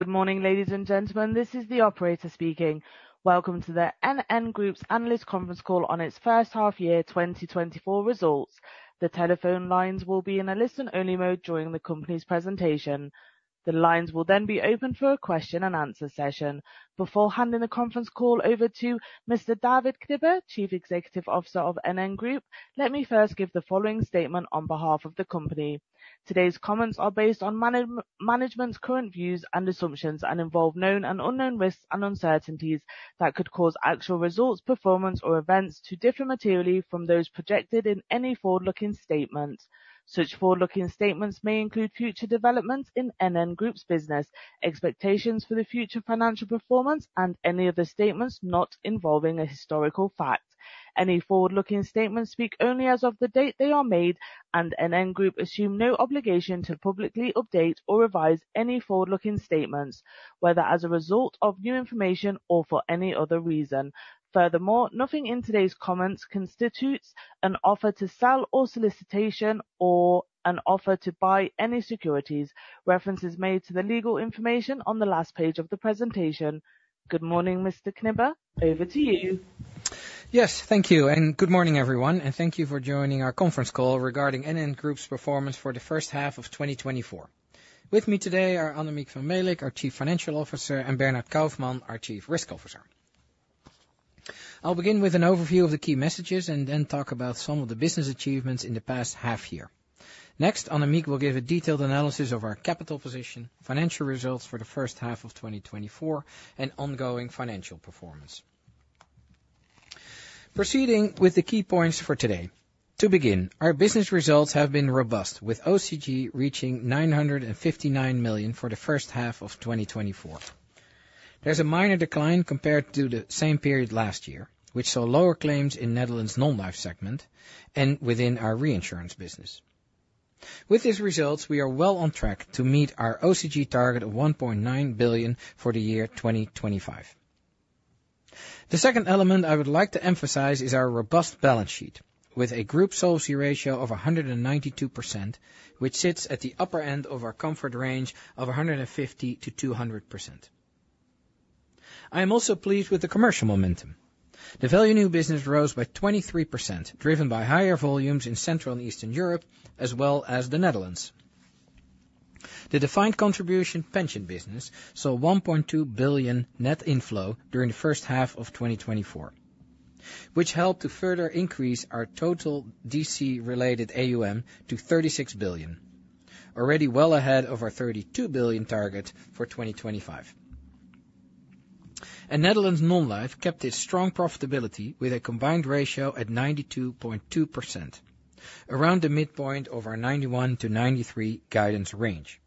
Good morning, ladies and gentlemen, this is the operator speaking. Welcome to the NN Group's analyst conference call on its first half year 2024 results. The telephone lines will be in a listen-only mode during the company's presentation. The lines will then be open for a question and answer session. Before handing the conference call over to Mr. David Knibbe, Chief Executive Officer of NN Group, let me first give the following statement on behalf of the company. Today's comments are based on management's current views and assumptions, and involve known and unknown risks and uncertainties that could cause actual results, performance, or events to differ materially from those projected in any forward-looking statements. Such forward-looking statements may include future developments in NN Group's business, expectations for the future financial performance, and any other statements not involving a historical fact. Any forward-looking statements speak only as of the date they are made, and NN Group assume no obligation to publicly update or revise any forward-looking statements, whether as a result of new information or for any other reason. Furthermore, nothing in today's comments constitutes an offer to sell or solicitation, or an offer to buy any securities. Reference is made to the legal information on the last page of the presentation. Good morning, Mr. Knibbe, over to you. Yes, thank you, and good morning, everyone, and thank you for joining our conference call regarding NN Group's performance for the first half of 2024. With me today are Annemiek van Melick, our Chief Financial Officer, and Bernhard Kaufmann, our Chief Risk Officer. I'll begin with an overview of the key messages and then talk about some of the business achievements in the past half year. Next, Annemiek will give a detailed analysis of our capital position, financial results for the first half of 2024, and ongoing financial performance. Proceeding with the key points for today. To begin, our business results have been robust, with OCG reaching 959 million for the first half of 2024. There's a minor decline compared to the same period last year, which saw lower claims in Netherlands Non-Life segment and within our reinsurance business. With these results, we are well on track to meet our OCG target of 1.9 billion for the year 2025. The second element I would like to emphasize is our robust balance sheet, with a group solvency ratio of 192%, which sits at the upper end of our comfort range of 150%-200%. I am also pleased with the commercial momentum. The value new business rose by 23%, driven by higher volumes in Central and Eastern Europe, as well as the Netherlands. The defined contribution pension business saw 1.2 billion net inflow during the first half of 2024, which helped to further increase our total DC-related AUM to 36 billion, already well ahead of our 32 billion target for 2025. Netherlands Non-Life kept its strong profitability with a combined ratio at 92.2%, around the midpoint of our 91%-93% guidance range.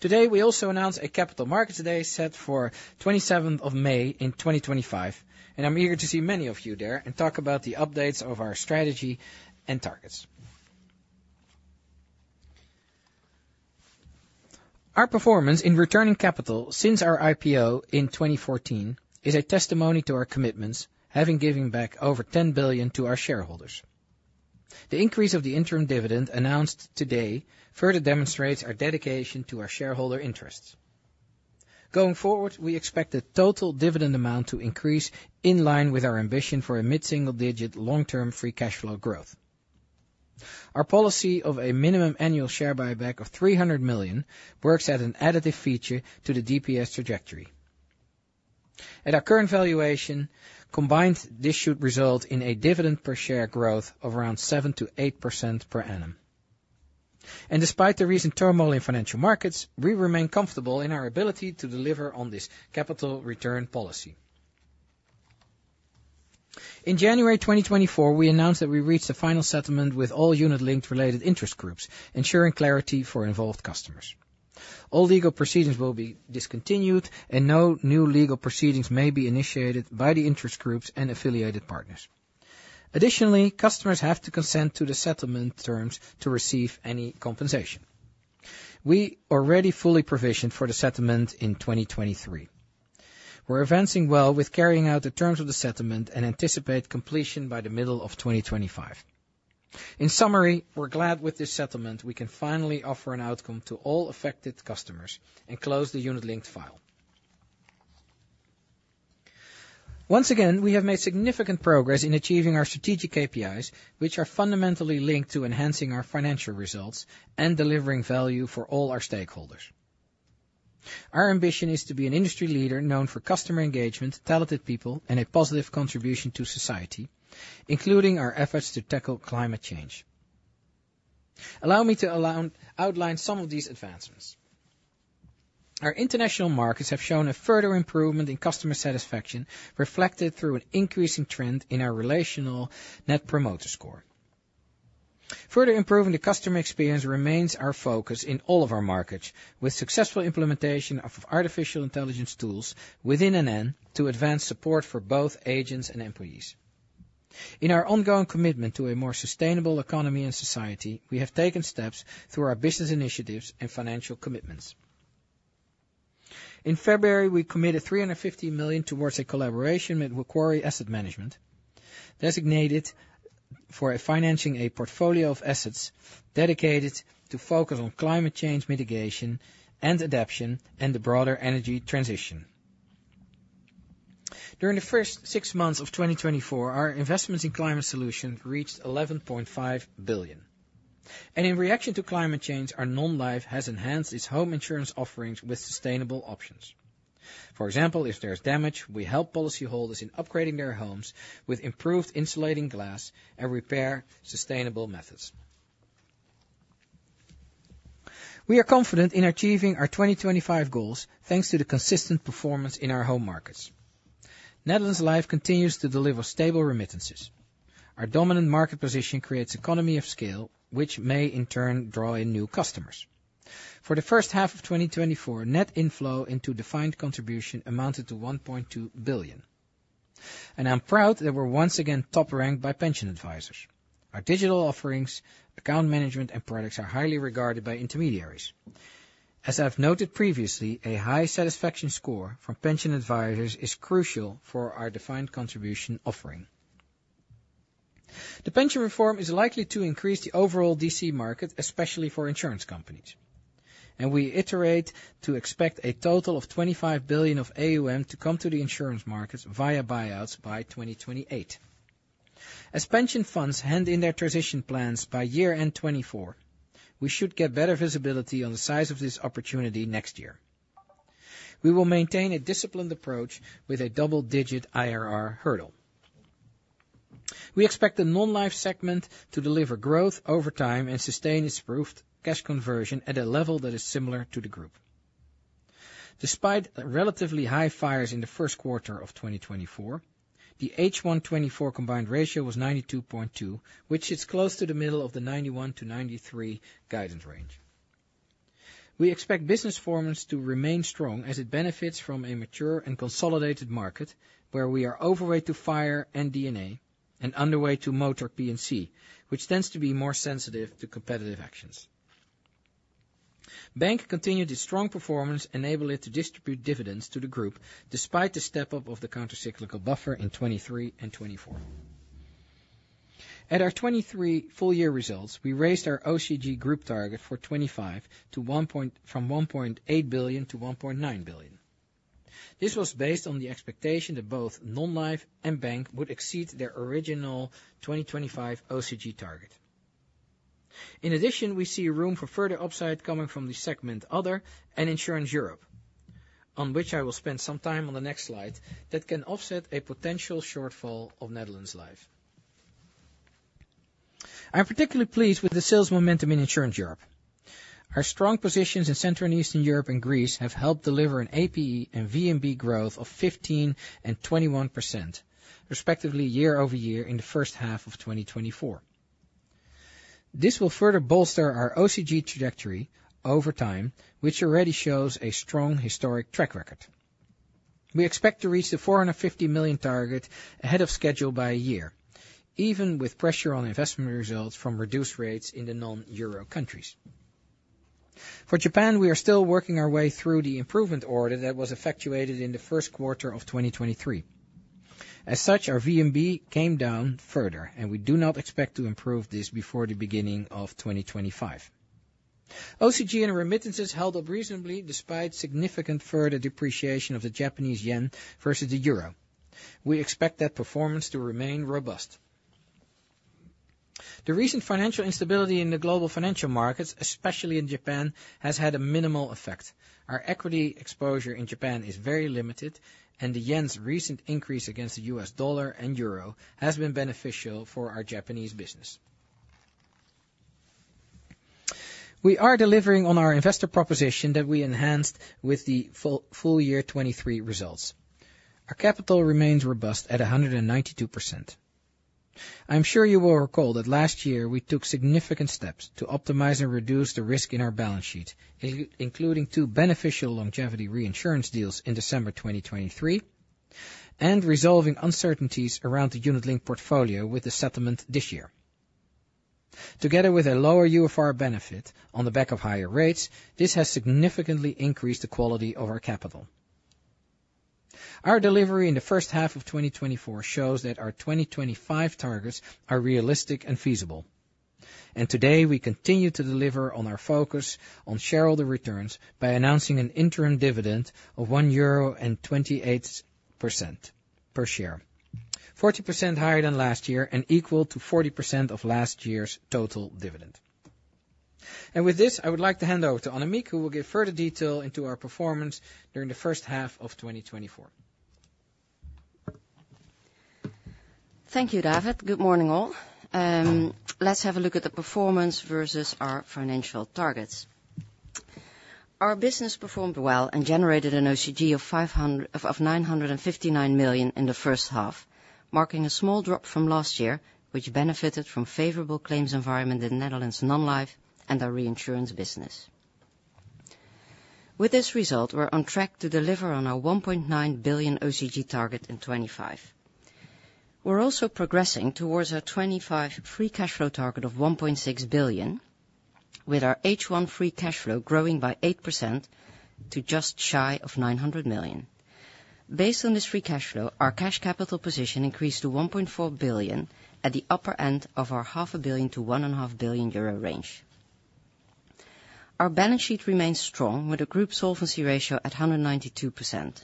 Today, we also announce a Capital Markets Day set for 27th of May in 2025, and I'm eager to see many of you there and talk about the updates of our strategy and targets. Our performance in returning capital since our IPO in 2014 is a testimony to our commitments, having given back over 10 billion to our shareholders. The increase of the interim dividend announced today further demonstrates our dedication to our shareholder interests. Going forward, we expect the total dividend amount to increase in line with our ambition for a mid-single digit, long-term, free cash flow growth. Our policy of a minimum annual share buyback of 300 million works as an additive feature to the DPS trajectory. At our current valuation, combined, this should result in a dividend per share growth of around 7%-8% per annum. Despite the recent turmoil in financial markets, we remain comfortable in our ability to deliver on this capital return policy. In January 2024, we announced that we reached a final settlement with all unit-linked-related interest groups, ensuring clarity for involved customers. All legal proceedings will be discontinued, and no new legal proceedings may be initiated by the interest groups and affiliated partners. Additionally, customers have to consent to the settlement terms to receive any compensation. We already fully provisioned for the settlement in 2023. We're advancing well with carrying out the terms of the settlement and anticipate completion by the middle of 2025. In summary, we're glad with this settlement. We can finally offer an outcome to all affected customers and close the unit-linked file. Once again, we have made significant progress in achieving our strategic KPIs, which are fundamentally linked to enhancing our financial results and delivering value for all our stakeholders. Our ambition is to be an industry leader known for customer engagement, talented people, and a positive contribution to society, including our efforts to tackle climate change. Allow me to outline some of these advancements. Our international markets have shown a further improvement in customer satisfaction, reflected through an increasing trend in our relational net promoter score. Further improving the customer experience remains our focus in all of our markets, with successful implementation of artificial intelligence tools within NN to advance support for both agents and employees. In our ongoing commitment to a more sustainable economy and society, we have taken steps through our business initiatives and financial commitments. In February, we committed 350 million towards a collaboration with Macquarie Asset Management, designated for financing a portfolio of assets dedicated to focus on climate change mitigation and adaptation, and the broader energy transition. During the first six months of 2024, our investments in climate solutions reached 11.5 billion. In reaction to climate change, our Non-Life has enhanced its home insurance offerings with sustainable options. For example, if there's damage, we help policyholders in upgrading their homes with improved insulating glass and repair sustainable methods. We are confident in achieving our 2025 goals, thanks to the consistent performance in our home markets. Netherlands Life continues to deliver stable remittances. Our dominant market position creates economies of scale, which may in turn draw in new customers. For the first half of 2024, net inflow into defined contribution amounted to 1.2 billion, and I'm proud that we're once again top ranked by pension advisors. Our digital offerings, account management, and products are highly regarded by intermediaries. As I've noted previously, a high satisfaction score from pension advisors is crucial for our defined contribution offering. The pension reform is likely to increase the overall DC market, especially for insurance companies, and we iterate to expect a total of 25 billion of AUM to come to the insurance markets via buyouts by 2028. As pension funds hand in their transition plans by year-end 2024, we should get better visibility on the size of this opportunity next year. We will maintain a disciplined approach with a double-digit IRR hurdle. We expect the Non-Life segment to deliver growth over time and sustain its improved cash conversion at a level that is similar to the group. Despite relatively high fires in the first quarter of 2024, the H1 2024 combined ratio was 92.2, which is close to the middle of the 91-93 guidance range. We expect business performance to remain strong as it benefits from a mature and consolidated market, where we are overweight to fire and V&A, and underweight to motor P&C, which tends to be more sensitive to competitive actions. Bank continued its strong performance, enabling it to distribute dividends to the group, despite the step-up of the countercyclical buffer in 2023 and 2024. At our 2023 full year results, we raised our OCG group target for 2025 to 1.9 billion from 1.8 billion. This was based on the expectation that both Non-Life and Bank would exceed their original 2025 OCG target. In addition, we see room for further upside coming from the segment Other and Insurance Europe, on which I will spend some time on the next slide, that can offset a potential shortfall of Netherlands Life. I'm particularly pleased with the sales momentum in Insurance Europe. Our strong positions in Central and Eastern Europe and Greece have helped deliver an APE and VNB growth of 15% and 21%, respectively, year-over-year in the first half of 2024. This will further bolster our OCG trajectory over time, which already shows a strong historic track record. We expect to reach the 450 million target ahead of schedule by a year, even with pressure on investment results from reduced rates in the non-euro countries. For Japan, we are still working our way through the improvement order that was effectuated in the first quarter of 2023. As such, our VNB came down further, and we do not expect to improve this before the beginning of 2025. OCG and remittances held up reasonably, despite significant further depreciation of the Japanese yen versus the euro. We expect that performance to remain robust. The recent financial instability in the global financial markets, especially in Japan, has had a minimal effect. Our equity exposure in Japan is very limited, and the yen's recent increase against the US dollar and euro has been beneficial for our Japanese business. We are delivering on our investor proposition that we enhanced with the full, full year 2023 results. Our capital remains robust at 192%. I'm sure you will recall that last year we took significant steps to optimize and reduce the risk in our balance sheet, including two beneficial longevity reinsurance deals in December 2023, and resolving uncertainties around the unit-linked portfolio with the settlement this year. Together with a lower UFR benefit on the back of higher rates, this has significantly increased the quality of our capital. Our delivery in the first half of 2024 shows that our 2025 targets are realistic and feasible, and today we continue to deliver on our focus on shareholder returns by announcing an interim dividend of 1.28 euro per share, 40% higher than last year and equal to 40% of last year's total dividend. With this, I would like to hand over to Annemiek, who will give further detail into our performance during the first half of 2024. Thank you, David. Good morning, all. Let's have a look at the performance versus our financial targets. Our business performed well and generated an OCG of 959 million in the first half, marking a small drop from last year, which benefited from favorable claims environment in Netherlands Non-Life and our reinsurance business. With this result, we're on track to deliver on our 1.9 billion OCG target in 2025. We're also progressing towards our 2025 free cash flow target of 1.6 billion, with our H1 free cash flow growing by 8% to just shy of 900 million. Based on this free cash flow, our cash capital position increased to 1.4 billion at the upper end of our 0.5 billion-1.5 billion euro range. Our balance sheet remains strong, with a group solvency ratio at 192%.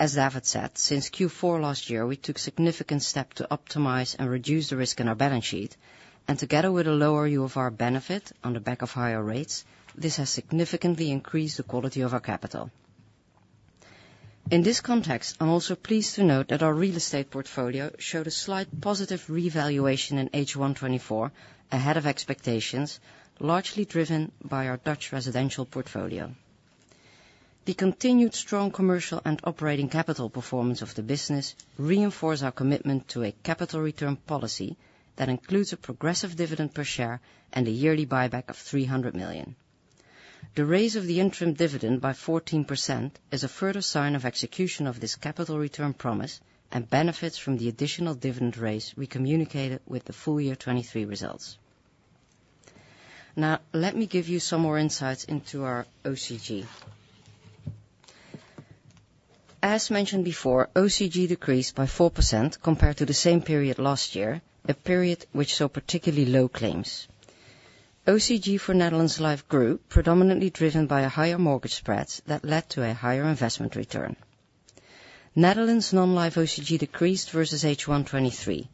As David said, since Q4 last year, we took significant steps to optimize and reduce the risk in our balance sheet, and together with a lower UFR benefit on the back of higher rates, this has significantly increased the quality of our capital. In this context, I'm also pleased to note that our real estate portfolio showed a slight positive revaluation in H1 2024, ahead of expectations, largely driven by our Dutch residential portfolio. The continued strong commercial and operating capital performance of the business reinforce our commitment to a capital return policy that includes a progressive dividend per share and a yearly buyback of 300 million. The raise of the interim dividend by 14% is a further sign of execution of this capital return promise and benefits from the additional dividend raise we communicated with the full year 2023 results. Now, let me give you some more insights into our OCG. As mentioned before, OCG decreased by 4% compared to the same period last year, a period which saw particularly low claims. OCG for Netherlands Life grew predominantly driven by a higher mortgage spread that led to a higher investment return. Netherlands Non-Life OCG decreased versus H1 2023.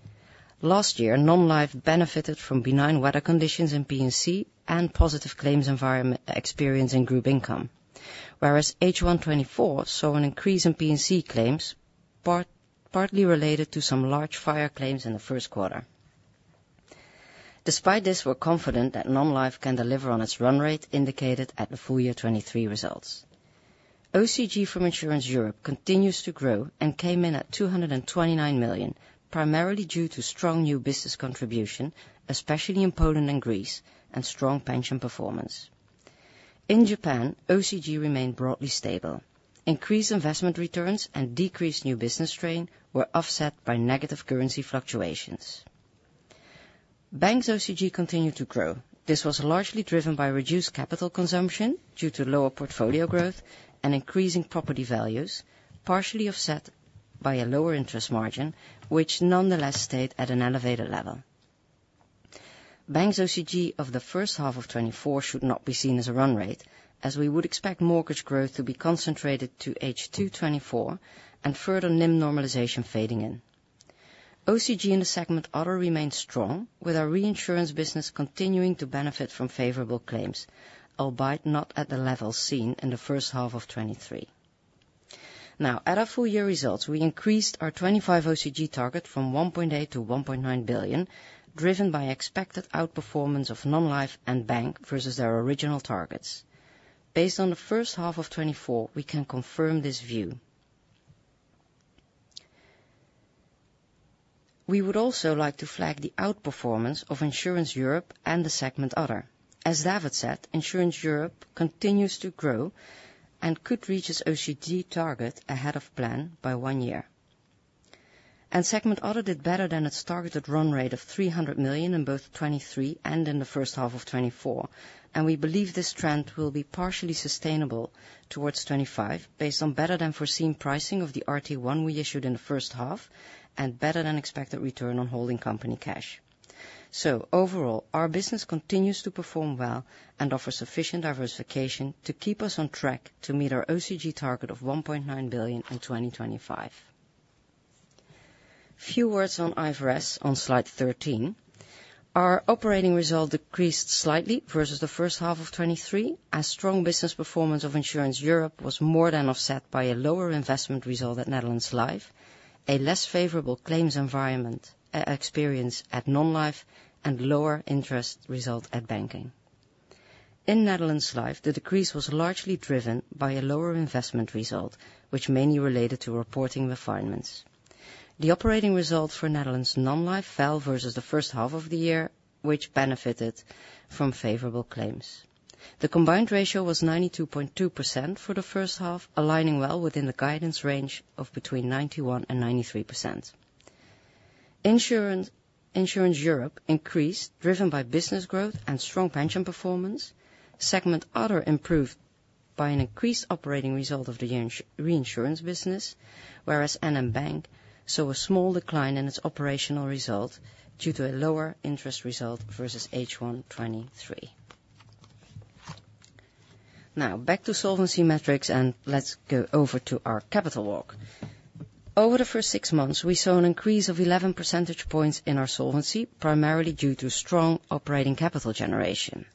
Last year, Non-Life benefited from benign weather conditions in P&C and positive claims environment experience in group income, whereas H1 2024 saw an increase in P&C claims, partly related to some large fire claims in the first quarter. Despite this, we're confident that Non-Life can deliver on its run rate indicated at the full year 2023 results. OCG from Insurance Europe continues to grow and came in at 229 million, primarily due to strong new business contribution, especially in Poland and Greece, and strong pension performance. In Japan, OCG remained broadly stable. Increased investment returns and decreased new business strain were offset by negative currency fluctuations. Banks OCG continued to grow. This was largely driven by reduced capital consumption due to lower portfolio growth and increasing property values, partially offset by a lower interest margin, which nonetheless stayed at an elevated level. Banks OCG of the first half of 2024 should not be seen as a run rate, as we would expect mortgage growth to be concentrated to H2 2024 and further NIM normalization fading in. OCG in the segment Other remained strong, with our reinsurance business continuing to benefit from favorable claims, albeit not at the levels seen in the first half of 2023. Now, at our full year results, we increased our 2025 OCG target from 1.8 billion to 1.9 billion, driven by expected outperformance of Non-Life and Bank versus their original targets. Based on the first half of 2024, we can confirm this view. We would also like to flag the outperformance of Insurance Europe and the segment Other. As David said, Insurance Europe continues to grow and could reach its OCG target ahead of plan by one year. And segment Other did better than its targeted run rate of 300 million in both 2023 and in the first half of 2024. And we believe this trend will be partially sustainable towards 2025, based on better than foreseen pricing of the RT1 we issued in the first half, and better than expected return on holding company cash. So overall, our business continues to perform well and offers sufficient diversification to keep us on track to meet our OCG target of 1.9 billion in 2025. Few words on IFRS on slide 13. Our operating result decreased slightly versus the first half of 2023, as strong business performance of Insurance Europe was more than offset by a lower investment result at Netherlands Life, a less favorable claims environment, experience at Non-Life, and lower interest result at Banking. In Netherlands Life, the decrease was largely driven by a lower investment result, which mainly related to reporting refinements. The operating results for Netherlands Non-Life fell versus the first half of the year, which benefited from favorable claims. The combined ratio was 92.2% for the first half, aligning well within the guidance range of between 91%-93%. Insurance Europe increased, driven by business growth and strong pension performance. segment Other improved by an increased operating result of the reinsurance business, whereas NN Bank saw a small decline in its operational result due to a lower interest result versus H1 2023. Now back to solvency metrics, and let's go over to our capital walk. Over the first six months, we saw an increase of 11 percentage points in our solvency, primarily due to strong operating capital generation.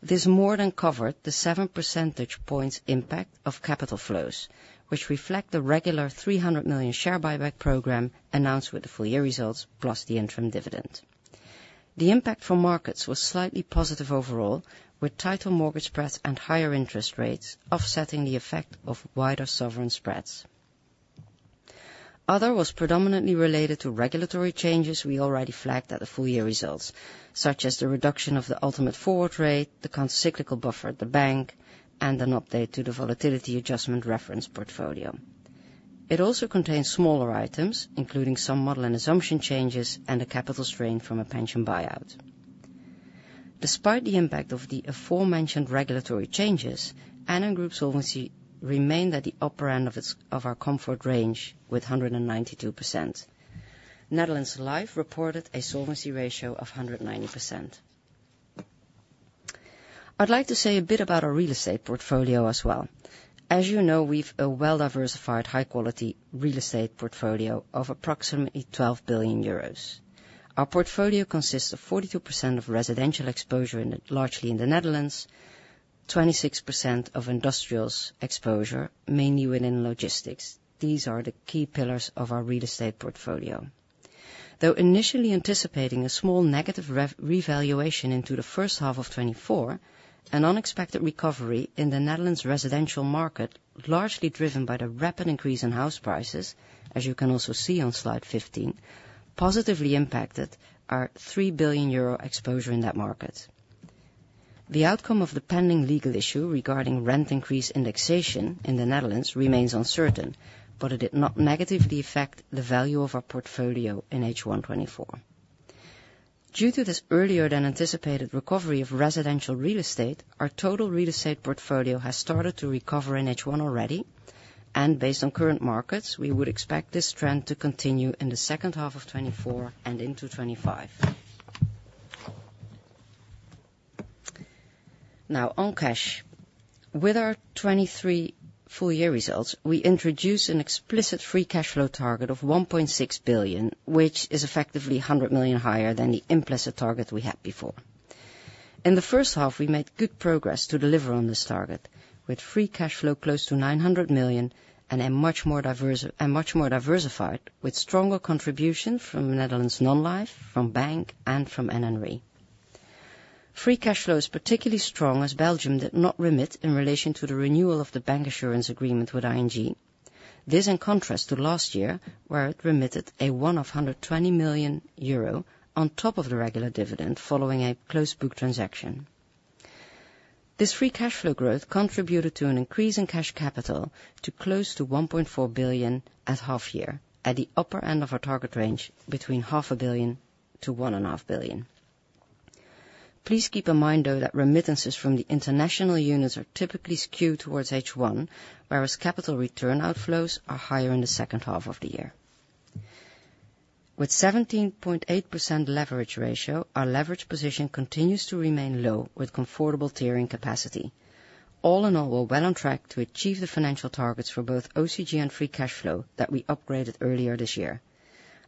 This more than covered the 7 percentage points impact of capital flows, which reflect the regular 300 million share buyback program announced with the full year results, plus the interim dividend. The impact from markets was slightly positive overall, with tighter mortgage spreads and higher interest rates offsetting the effect of wider sovereign spreads. Other was predominantly related to regulatory changes we already flagged at the full year results, such as the reduction of the ultimate forward rate, the countercyclical buffer at the Bank, and an update to the volatility adjustment reference portfolio. It also contains smaller items, including some model and assumption changes and a capital strain from a pension buyout. Despite the impact of the aforementioned regulatory changes, NN Group solvency remained at the upper end of our comfort range with 192%. Netherlands Life reported a solvency ratio of 190%. I'd like to say a bit about our real estate portfolio as well. As you know, we've a well-diversified, high-quality real estate portfolio of approximately 12 billion euros. Our portfolio consists of 42% of residential exposure in the, largely in the Netherlands, 26% of industrials exposure, mainly within logistics. These are the key pillars of our real estate portfolio. Though initially anticipating a small negative rev, revaluation in the first half of 2024, an unexpected recovery in the Netherlands residential market, largely driven by the rapid increase in house prices, as you can also see on slide 15, positively impacted our 3 billion euro exposure in that market. The outcome of the pending legal issue regarding rent increase indexation in the Netherlands remains uncertain, but it did not negatively affect the value of our portfolio in H1 2024. Due to this earlier than anticipated recovery of residential real estate, our total real estate portfolio has started to recover in H1 already, and based on current markets, we would expect this trend to continue in the second half of 2024 and into 2025. Now, on cash. With our 2023 full year results, we introduce an explicit free cash flow target of 1.6 billion, which is effectively 100 million higher than the implicit target we had before. In the first half, we made good progress to deliver on this target, with free cash flow close to 900 million and a much more diversified, with stronger contribution from Netherlands Non-Life, from Bank and from NN Re. Free cash flow is particularly strong, as Belgium did not remit in relation to the renewal of the bancassurance agreement with ING. This in contrast to last year, where it remitted a one-off 120 million euro on top of the regular dividend following a closed book transaction. This free cash flow growth contributed to an increase in cash capital to close to 1.4 billion at half year, at the upper end of our target range, between 0.5 billion-1.5 billion. Please keep in mind, though, that remittances from the international units are typically skewed towards H1, whereas capital return outflows are higher in the second half of the year. With 17.8% leverage ratio, our leverage position continues to remain low, with comfortable tiering capacity. All in all, we're well on track to achieve the financial targets for both OCG and free cash flow that we upgraded earlier this year.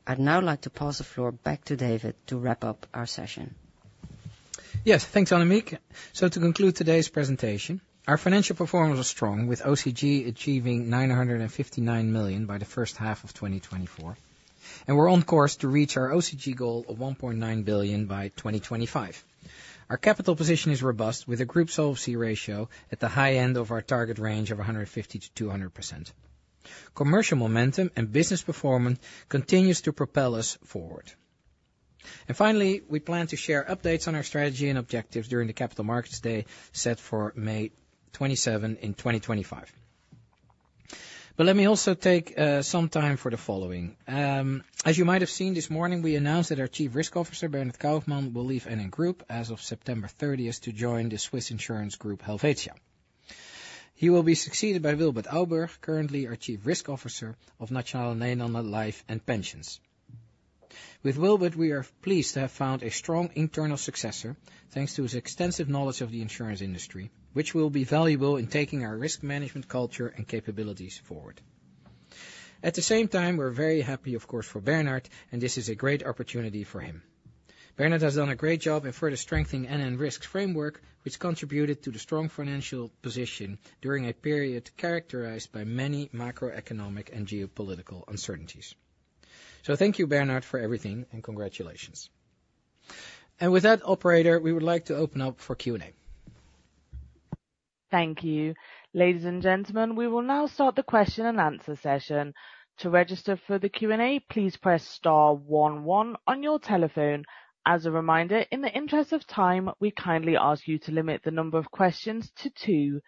I'd now like to pass the floor back to David to wrap up our session. Yes, thanks, Annemiek. So to conclude today's presentation, our financial performance was strong, with OCG achieving 959 million by the first half of 2024, and we're on course to reach our OCG goal of 1.9 billion by 2025. Our capital position is robust, with a group solvency ratio at the high end of our target range of 150%-200%. Commercial momentum and business performance continues to propel us forward. And finally, we plan to share updates on our strategy and objectives during the Capital Markets Day set for May 27, 2025. But let me also take some time for the following. As you might have seen, this morning, we announced that our Chief Risk Officer, Bernhard Kaufmann, will leave NN Group as of September 30 to join the Swiss insurance group, Helvetia. He will be succeeded by Wilbert Ouburg, currently our Chief Risk Officer of Nationale-Nederlanden Life and Pensions. With Wilbert, we are pleased to have found a strong internal successor, thanks to his extensive knowledge of the insurance industry, which will be valuable in taking our risk management culture and capabilities forward. At the same time, we're very happy, of course, for Bernhard, and this is a great opportunity for him. Bernhard has done a great job in further strengthening NN Risk's framework, which contributed to the strong financial position during a period characterized by many macroeconomic and geopolitical uncertainties. So thank you, Bernhard, for everything, and congratulations. And with that, operator, we would like to open up for Q&A. Thank you. Ladies and gentlemen, we will now start the question and answer session. To register for the Q&A, please press star one one on your telephone. As a reminder, in the interest of time, we kindly ask you to limit the number of questions to two.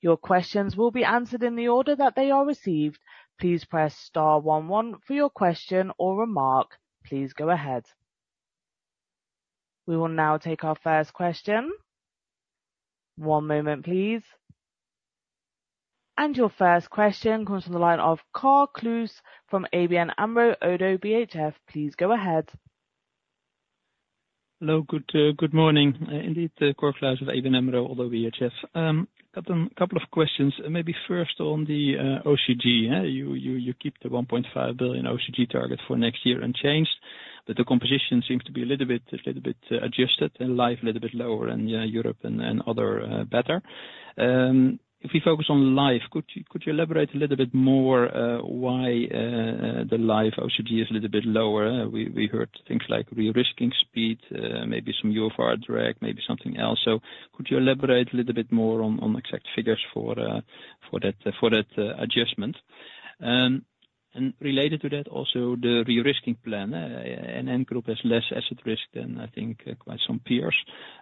Your questions will be answered in the order that they are received. Please press star one one for your question or remark. Please go ahead. We will now take our first question. One moment, please. Your first question comes from the line of Cor Kluis from ABN AMRO - ODDO BHF. Please go ahead. Hello, good morning. Indeed, Cor Kluis with ABN AMRO - ODDO BHF. Couple of questions, maybe first on the OCG, yeah. You keep the 1.5 billion OCG target for next year unchanged, but the composition seems to be a little bit adjusted, and Life a little bit lower, and Europe and other better. If we focus on Life, could you elaborate a little bit more why the Life OCG is a little bit lower? We heard things like de-risking speed, maybe some UFR drag, maybe something else. So could you elaborate a little bit more on exact figures for that adjustment? And related to that, also, the de-risking plan, NN Group has less asset risk than, I think, quite some peers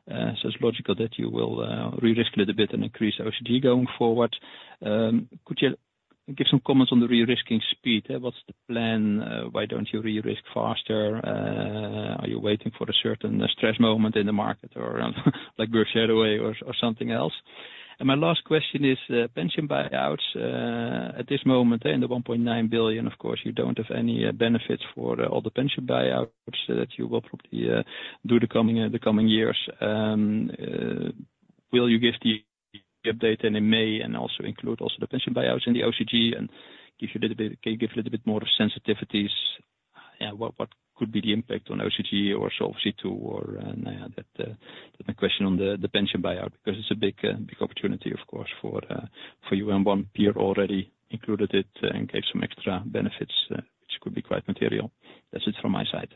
so it's logical that you will, re-risk it a bit and increase OCG going forward. Could you give some comments on the re-risking speed? What's the plan? Why don't you re-risk faster? Are you waiting for a certain stress moment in the market or like Berkshire Hathaway or, or something else? And my last question is, pension buyouts. At this moment, in the 1.9 billion, of course, you don't have any, benefits for the, all the pension buyouts that you will probably, do the coming, the coming years. Will you give the update, and in May, and also include the pension buyouts in the OCG, and give a little bit more of sensitivities? Yeah, what could be the impact on OCG or Solvency, too, or, and that, that's my question on the pension buyout. Because it's a big, big opportunity, of course, for you, and one peer already included it, and gave some extra benefits, which could be quite material. That's it from my side.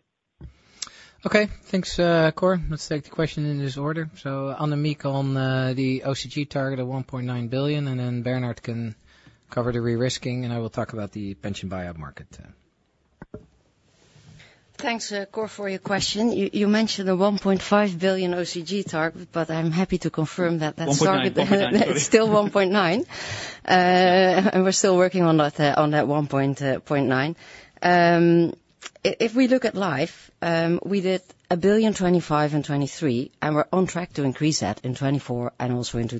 Okay, thanks, Cor. Let's take the question in this order. So Annemiek, on the OCG target of 1.9 billion, and then Bernhard can cover the re-risking, and I will talk about the pension buyout market. Thanks, Cor, for your question. You mentioned the 1.5 billion OCG target, but I'm happy to confirm that that target- 1.9. It's still 1.9. We're still working on that, on that 1.9. If we look at Life, we did 1.025 billion in 2023, and we're on track to increase that in 2024 and also into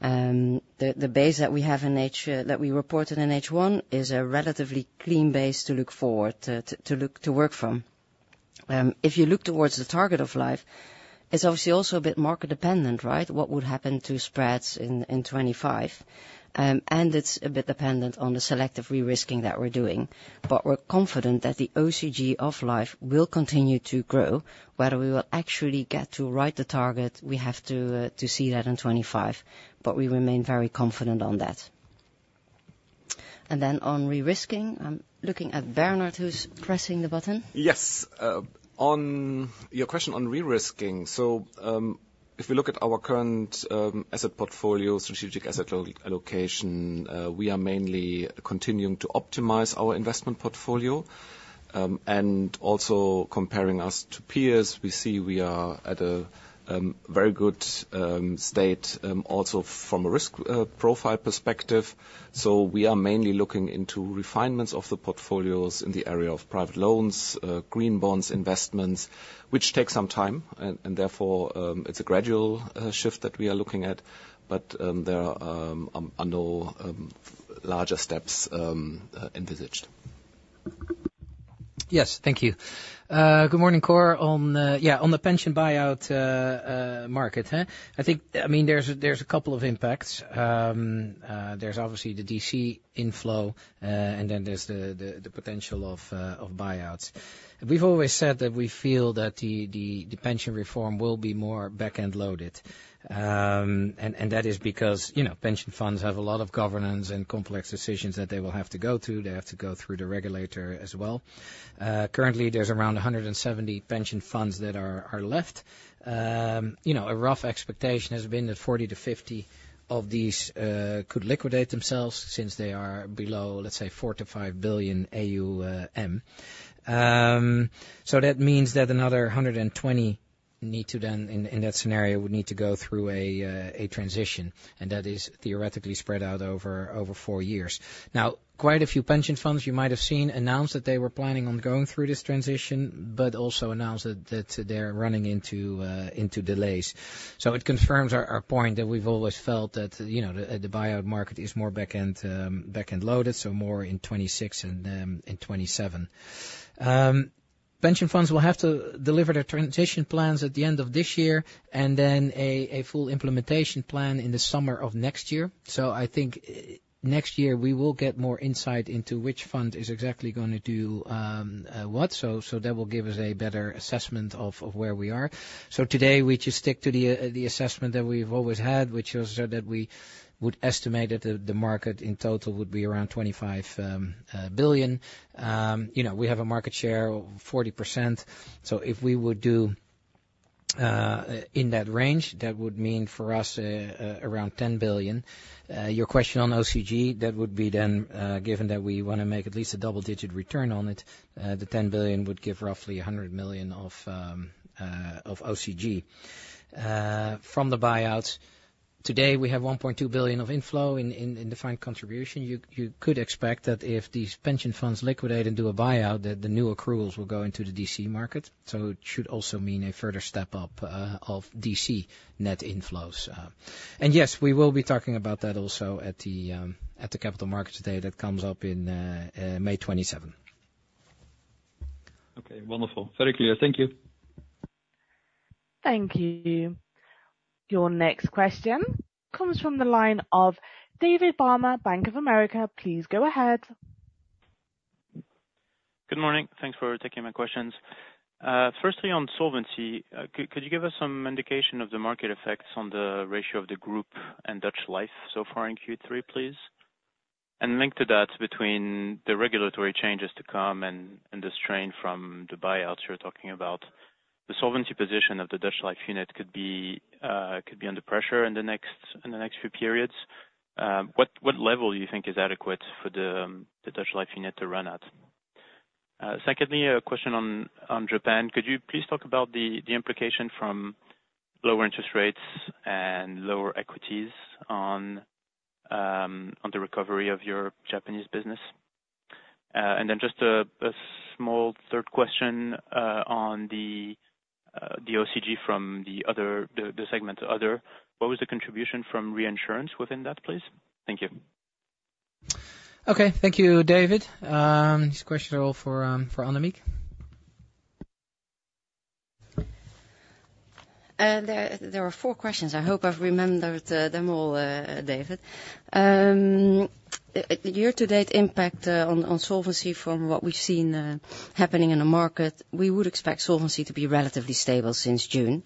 2025. The base that we have in H1 that we reported in H1 is a relatively clean base to look forward to work from. If you look towards the target of Life, it's obviously also a bit market dependent, right? What would happen to spreads in 2025, and it's a bit dependent on the selective re-risking that we're doing. But we're confident that the OCG of Life will continue to grow. Whether we will actually get to right the target, we have to see that in 2025, but we remain very confident on that. Then on re-risking, I'm looking at Bernhard, who's pressing the button. Yes, on your question on re-risking: so, if we look at our current asset portfolio, strategic asset allocation, we are mainly continuing to optimize our investment portfolio. And also comparing us to peers, we see we are at a very good state, also from a risk profile perspective. So we are mainly looking into refinements of the portfolios in the area of private loans, green bonds, investments, which takes some time. And therefore, it's a gradual shift that we are looking at. But, there are no larger steps envisaged. Yes, thank you. Good morning, Cor. On, yeah, on the pension buyout market, huh? I think, I mean, there's a couple of impacts. There's obviously the DC inflow, and then there's the potential of buyouts. We've always said that we feel that the pension reform will be more back-end loaded. And that is because, you know, pension funds have a lot of governance and complex decisions that they will have to go through. They have to go through the regulator as well. Currently, there's around 170 pension funds that are left. You know, a rough expectation has been that 40-50 of these could liquidate themselves since they are below, let's say, 4 billion-5 billion AUM. So that means that another 120 need to then, in, in that scenario, would need to go through a, a transition, and that is theoretically spread out over, over 4 years. Now, quite a few pension funds you might have seen announce that they were planning on going through this transition, but also announced that, that they're running into, into delays. So it confirms our, our point, that we've always felt that, you know, the, the buyout market is more back-end, back-end loaded, so more in 2026 and, in 2027. Pension funds will have to deliver their transition plans at the end of this year, and then a, a full implementation plan in the summer of next year. So I think next year we will get more insight into which fund is exactly gonna do what, so that will give us a better assessment of where we are. So today we just stick to the assessment that we've always had, which is that we would estimate that the market in total would be around 25 billion. You know, we have a market share of 40%, so if we would do in that range, that would mean, for us, around 10 billion. Your question on OCG, that would be then, given that we wanna make at least a double-digit return on it, the 10 billion would give roughly 100 million of OCG. From the buyouts, today we have 1.2 billion of inflow in defined contribution. You could expect that if these pension funds liquidate into a buyout, that the new accruals will go into the DC market, so it should also mean a further step-up of DC net inflows. And yes, we will be talking about that also at the capital markets day that comes up in May 27. Okay, wonderful. Very clear. Thank you. Thank you. Your next question comes from the line of David Barma, Bank of America. Please go ahead. Good morning. Thanks for taking my questions. Firstly, on solvency, could you give us some indication of the market effects on the ratio of the group and Dutch Life so far in Q3, please? And linked to that, between the regulatory changes to come and the strain from the buyouts you're talking about, the solvency position of the Dutch Life unit could be under pressure in the next few periods. What level do you think is adequate for the Dutch Life unit to run at? Secondly, a question on Japan. Could you please talk about the implication from lower interest rates and lower equities on the recovery of your Japanese business? And then just a small third question on the OCG from the other segment. What was the contribution from reinsurance within that, please? Thank you. Okay, thank you, David. These questions are all for Annemiek. There are four questions. I hope I've remembered them all, David. Year-to-date impact on solvency from what we've seen happening in the market, we would expect solvency to be relatively stable since June.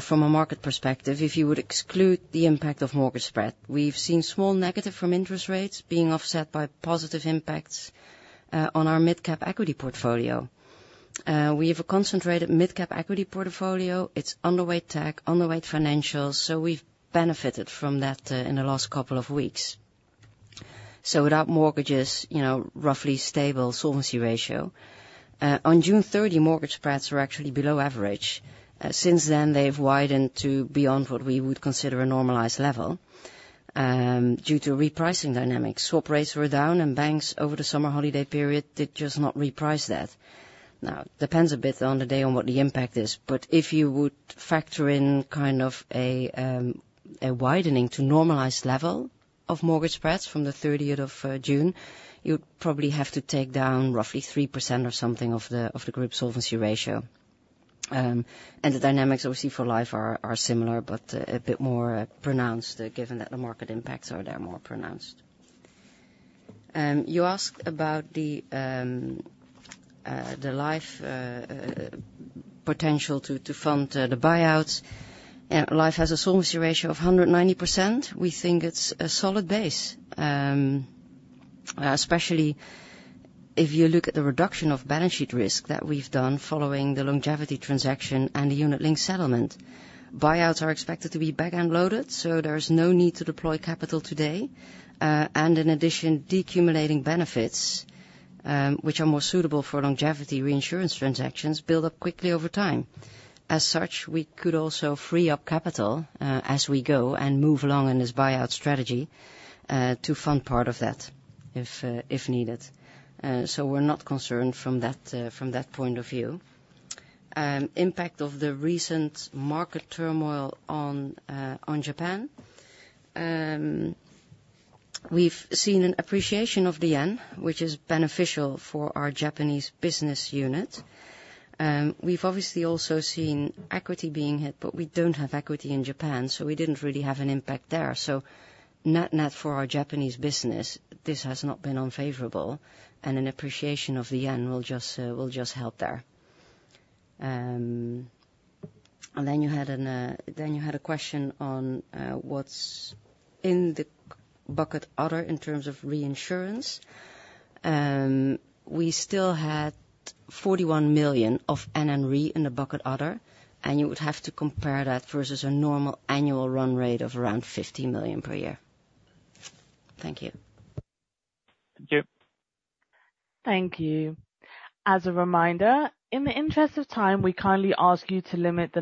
From a market perspective, if you would exclude the impact of mortgage spread, we've seen small negative from interest rates being offset by positive impacts on our mid-cap equity portfolio. We have a concentrated mid-cap equity portfolio. It's underweight tech, underweight financials, so we've benefited from that in the last couple of weeks. So without mortgages, you know, roughly stable solvency ratio. On June 30, mortgage spreads were actually below average. Since then, they've widened to beyond what we would consider a normalized level due to repricing dynamics. Swap rates were down, and Banks over the summer holiday period did just not reprice that. Now, it depends a bit on the day on what the impact is, but if you would factor in kind of a widening to normalized level of mortgage spreads from the 30th of June, you'd probably have to take down roughly 3% or something of the group's solvency ratio. And the dynamics obviously for Life are similar, but a bit more pronounced given that the market impacts are there more pronounced. You asked about the Life potential to fund the buyouts. Life has a solvency ratio of 190%. We think it's a solid base, especially if you look at the reduction of balance sheet risk that we've done following the longevity transaction and the unit link settlement. Buyouts are expected to be back end loaded, so there's no need to deploy capital today. In addition, decumulating benefits, which are more suitable for longevity reinsurance transactions, build up quickly over time. As such, we could also free up capital, as we go and move along in this buyout strategy, to fund part of that, if, if needed. We're not concerned from that, from that point of view. Impact of the recent market turmoil on, on Japan. We've seen an appreciation of the Japanese yen, which is beneficial for our Japanese business unit. We've obviously also seen equity being hit, but we don't have equity in Japan, so we didn't really have an impact there. So net-net for our Japanese business, this has not been unfavorable, and an appreciation of the yen will just, will just help there. And then you had a question on what's in the bucket other in terms of reinsurance. We still had 41 million of NN Re in the bucket other, and you would have to compare that versus a normal annual run rate of around 50 million per year. Thank you. Thank you. Thank you. As a reminder, in the interest of time, we kindly ask you to limit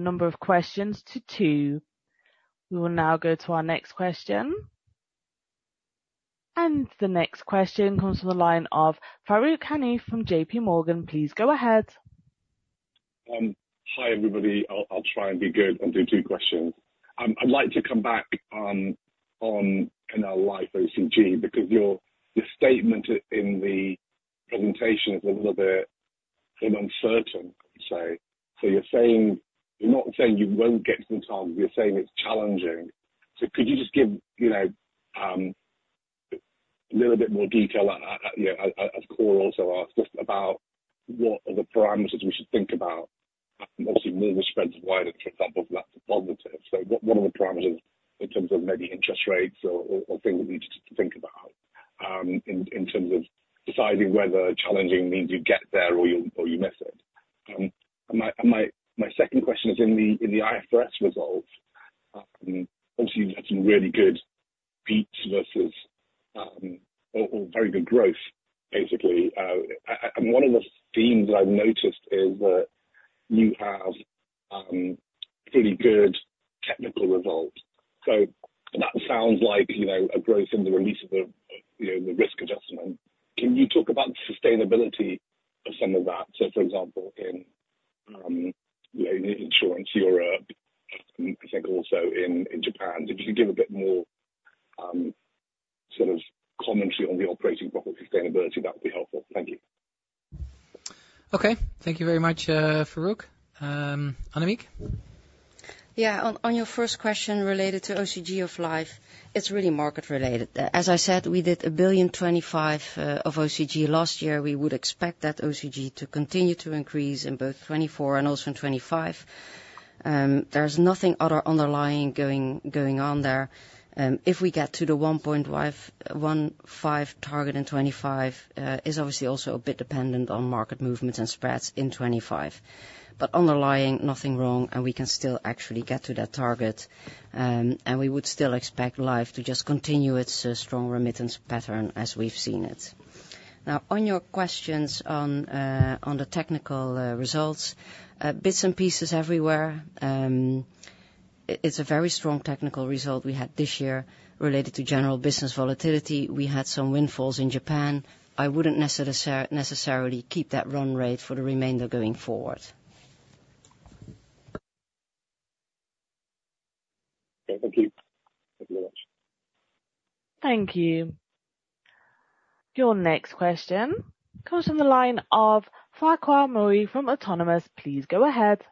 the number of questions to two. We will now go to our next question. The next question comes from the line of Farooq Hanif from J.P. Morgan. Please go ahead. Hi, everybody. I'll try and be good and do two questions. I'd like to come back on, you know, Life OCG, because your statement in the presentation is a little bit uncertain, say. So you're saying. You're not saying you won't get to the top, you're saying it's challenging. So could you just give, you know, a little bit more detail, you know, as Corey also asked, just about what are the parameters we should think about? Obviously, mortgage spreads are wider, for example, that's positive. So what are the parameters in terms of maybe interest rates or things we need to think about, in terms of deciding whether challenging means you get there or you miss it? My second question is in the IFRS results, obviously, you've had some really good beats versus very good growth, basically. And one of the themes I've noticed is that you have really good technical results. So that sounds like, you know, a growth in the release of the, you know, the risk adjustment. Can you talk about the sustainability of some of that? So for example, in, you know, Insurance Europe, I think also in Japan. If you could give a bit more sort of commentary on the operating profit sustainability, that would be helpful. Thank you. Okay. Thank you very much, Farooq. Annemiek? Yeah, on your first question related to OCG of Life, it's really market related. As I said, we did 1.025 billion of OCG last year. We would expect that OCG to continue to increase in both 2024 and also in 2025. There's nothing other underlying going on there. If we get to the 1.5, 1.5 target in 2025, is obviously also a bit dependent on market movements and spreads in 2025. But underlying, nothing wrong, and we can still actually get to that target, and we would still expect Life to just continue its strong remittance pattern as we've seen it. Now, on your questions on the technical results, bits and pieces everywhere, It's a very strong technical result we had this year related to general business volatility. We had some windfalls in Japan. I wouldn't necessarily keep that run rate for the remainder going forward. Okay, thank you. Thank you very much. Thank you. Your next question comes from the line of Farquhar Murray from Autonomous. Please go ahead.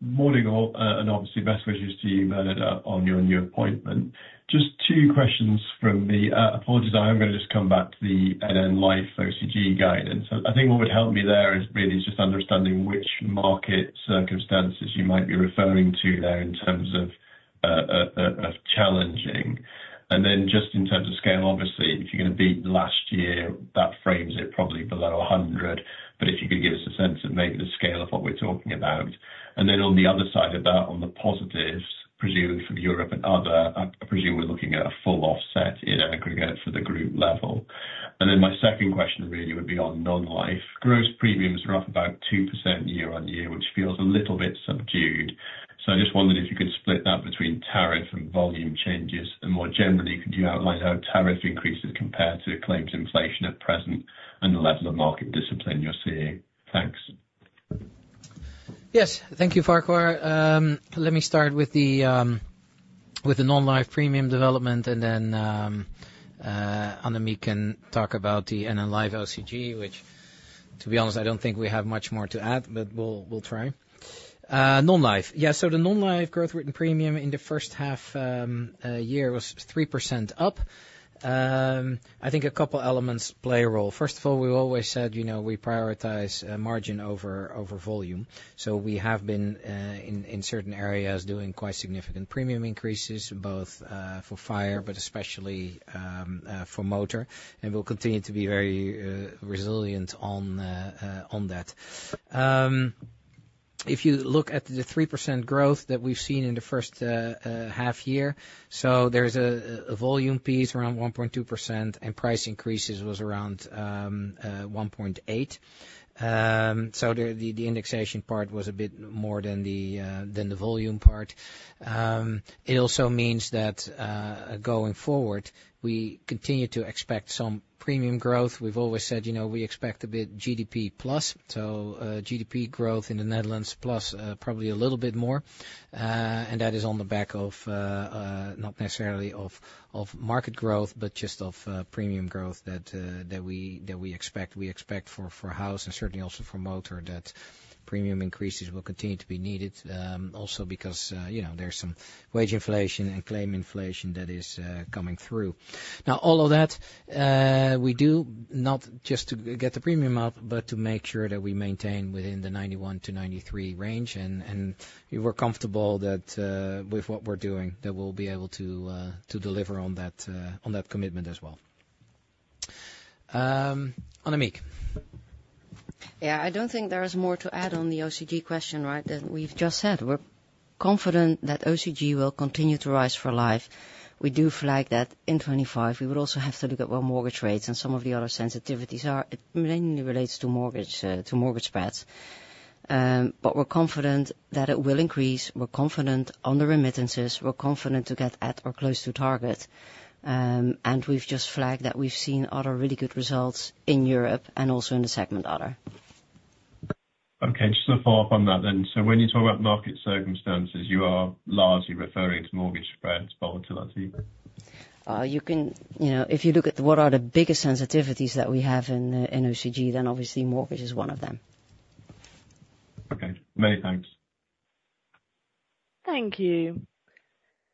Morning, all, and obviously best wishes to you, Bernhard, on your new appointment. Just two questions from me. Apologies, I am gonna just come back to the NN Life OCG guidance. So I think what would help me there is really just understanding which market circumstances you might be referring to there in terms of challenging. And then just in terms of scale, obviously, if you're gonna beat last year, that frames it probably below 100. But if you could give us a sense of maybe the scale of what we're talking about. And then on the other side of that, on the positives, presumably for the Europe and other, I presume we're looking at a full offset in aggregate for the group level. And then my second question really would be on Non-Life. Gross premiums are up about 2% year-on-year, which feels a little bit subdued. So I just wondered if you could split that between tariff and volume changes. And more generally, could you outline how tariff increases compare to claims inflation at present and the level of market discipline you're seeing? Thanks. Yes. Thank you, Farquhar. Let me start with the Non-Life premium development, and then Annemiek can talk about the NN Life OCG, which, to be honest, I don't think we have much more to add, but we'll try. Non-Life. Yeah, so the Non-Life growth written premium in the first half year was 3% up. I think a couple elements play a role. First of all, we always said, you know, we prioritize margin over volume. So we have been in certain areas doing quite significant premium increases, both for fire, but especially for motor, and we'll continue to be very resilient on that. If you look at the 3% growth that we've seen in the first half year, so there's a volume piece around 1.2%, and price increases was around 1.8%. So the indexation part was a bit more than the volume part. It also means that going forward, we continue to expect some premium growth. We've always said, you know, we expect a bit GDP plus, so GDP growth in the Netherlands plus, probably a little bit more. And that is on the back of not necessarily of market growth, but just of premium growth that we expect. We expect for house and certainly also for motor, that premium increases will continue to be needed, also because, you know, there's some wage inflation and claim inflation that is coming through. Now, all of that, we do not just to get the premium up, but to make sure that we maintain within the 91%-93% range, and we're comfortable that, with what we're doing, that we'll be able to to deliver on that, on that commitment as well. Annemiek? Yeah, I don't think there is more to add on the OCG question, right? As we've just said, we're confident that OCG will continue to rise for Life. We do flag that in 25, we would also have to look at what mortgage rates and some of the other sensitivities are. It mainly relates to mortgage spreads. But we're confident that it will increase. We're confident on the remittances, we're confident to get at or close to target. And we've just flagged that we've seen other really good results in Europe and also in the segment, other. Okay, just to follow up on that then. So when you talk about market circumstances, you are largely referring to mortgage spreads volatility? You can, you know, if you look at what are the biggest sensitivities that we have in OCG, then obviously mortgage is one of them. Okay, many thanks. Thank you.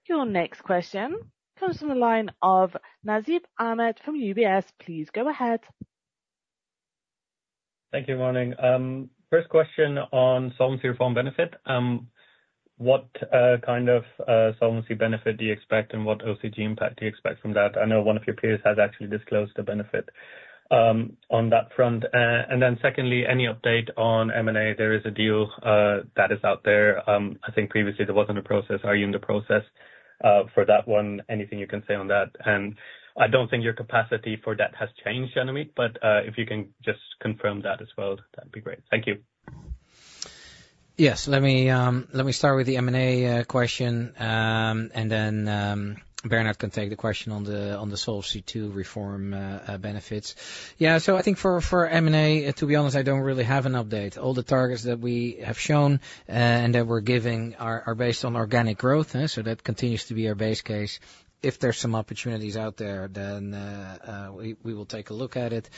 Your next question comes from the line of Nasib Ahmed from UBS. Please go ahead. Thank you. Morning. First question on solvency reform benefit. What kind of solvency benefit do you expect, and what OCG impact do you expect from that? I know one of your peers has actually disclosed a benefit on that front. And then secondly, any update on M&A? There is a deal that is out there. I think previously there was on the process. Are you in the process for that one? Anything you can say on that? And I don't think your capacity for that has changed, Annemiek, but if you can just confirm that as well, that'd be great. Thank you. Yes. Let me start with the M&A question, and then Bernhard can take the question on the Solvency II reform benefits. Yeah, so I think for M&A, to be honest, I don't really have an update. All the targets that we have shown and that we're giving are based on organic growth, so that continues to be our base case. If there's some opportunities out there, then we will take a look at it.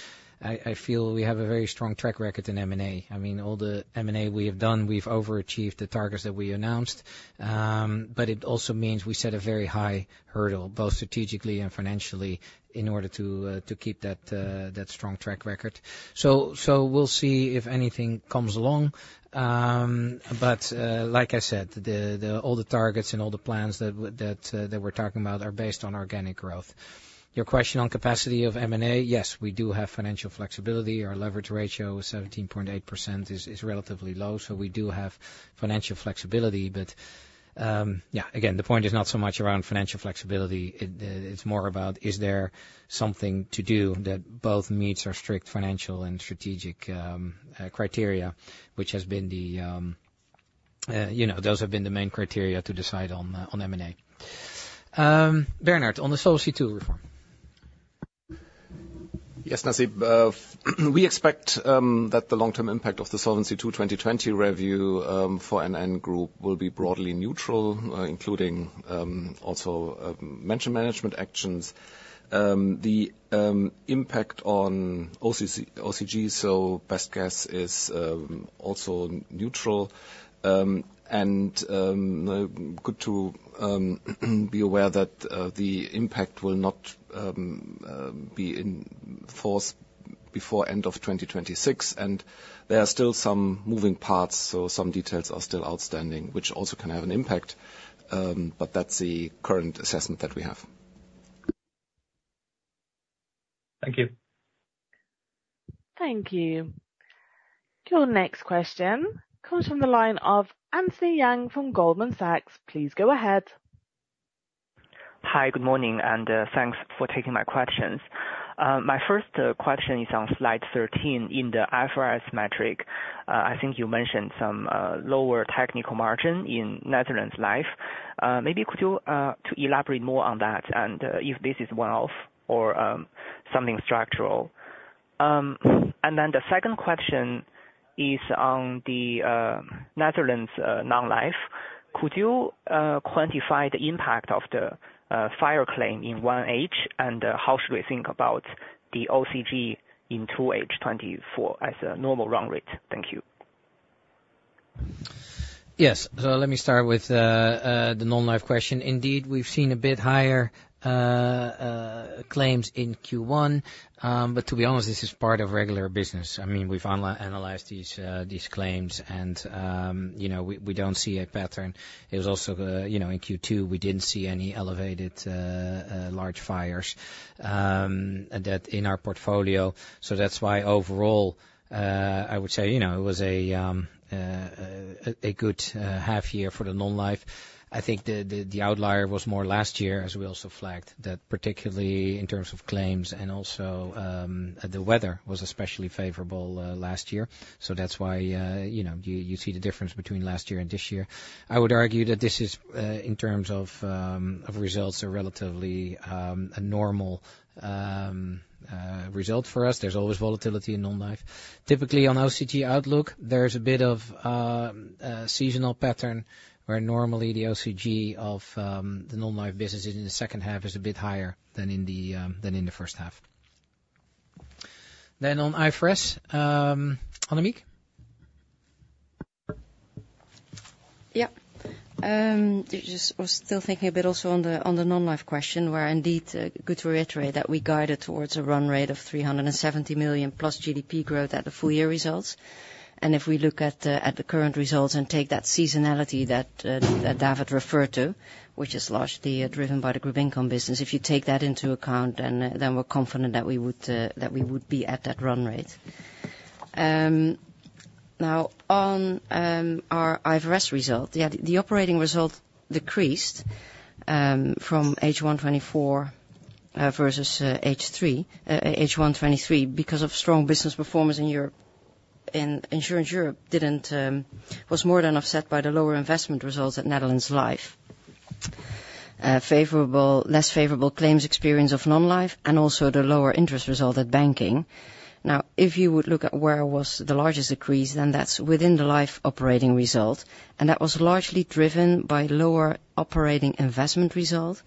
I feel we have a very strong track record in M&A. I mean, all the M&A we have done, we've overachieved the targets that we announced. But it also means we set a very high hurdle, both strategically and financially, in order to keep that strong track record. So, we'll see if anything comes along. But, like I said, all the targets and all the plans that we're talking about are based on organic growth. Your question on capacity of M&A, yes, we do have financial flexibility. Our leverage ratio is 17.8%, is relatively low, so we do have financial flexibility. But yeah, again, the point is not so much around financial flexibility, it's more about is there something to do that both meets our strict financial and strategic criteria, which has been the, you know, those have been the main criteria to decide on, on M&A. Bernhard, on the Solvency II reform. Yes, Nasib, we expect that the long-term impact of the Solvency II 2020 review for NN Group will be broadly neutral, including also management actions. The impact on OCG, so best guess is also neutral. And good to be aware that the impact will not be in force before end of 2026, and there are still some moving parts, so some details are still outstanding, which also can have an impact, but that's the current assessment that we have. Thank you. Thank you. Your next question comes from the line of Anthony Yang from Goldman Sachs. Please go ahead. Hi, good morning, and thanks for taking my questions. My first question is on slide 13. In the IFRS metric, I think you mentioned some lower technical margin in Netherlands Life. Maybe could you to elaborate more on that, and if this is one-off or something structural? And then the second question is on the Netherlands Non-Life. Could you quantify the impact of the fire claim in 1H, and how should we think about the OCG in 2H 2024 as a normal run rate? Thank you. Yes, so let me start with the Non-Life question. Indeed, we've seen a bit higher claims in Q1, but to be honest, this is part of regular business. I mean, we've analyzed these claims and, you know, we don't see a pattern. It was also, you know, in Q2, we didn't see any elevated large fires that in our portfolio. So that's why, overall, I would say, you know, it was a good half year for the Non-Life. I think the outlier was more last year, as we also flagged, that particularly in terms of claims and also the weather was especially favorable last year. So that's why, you know, you see the difference between last year and this year. I would argue that this is, in terms of, of results, are relatively, a normal, result for us. There's always volatility in Non-Life. Typically, on OCG outlook, there's a bit of, seasonal pattern, where normally the OCG of, the Non-Life business in the second half is a bit higher than in the, than in the first half. Then on IFRS, Annemiek? Yeah. Just was still thinking a bit also on the, on the Non-Life question, where indeed, good to reiterate that we guided towards a run rate of 370 million plus GDP growth at the full year results. And if we look at, at the current results and take that seasonality that, that David referred to, which is largely, driven by the group income business, if you take that into account, then, then we're confident that we would, that we would be at that run rate. Now on, our IFRS result, the, the operating result decreased, from H1 2024, versus, H1 2023, because of strong business performance in Insurance Europe was more than offset by the lower investment results at Netherlands Life. Favorable, less favorable claims experience of Non-Life, and also the lower interest result at Banking. Now, if you would look at where was the largest decrease, then that's within the Life operating result, and that was largely driven by lower operating investment result,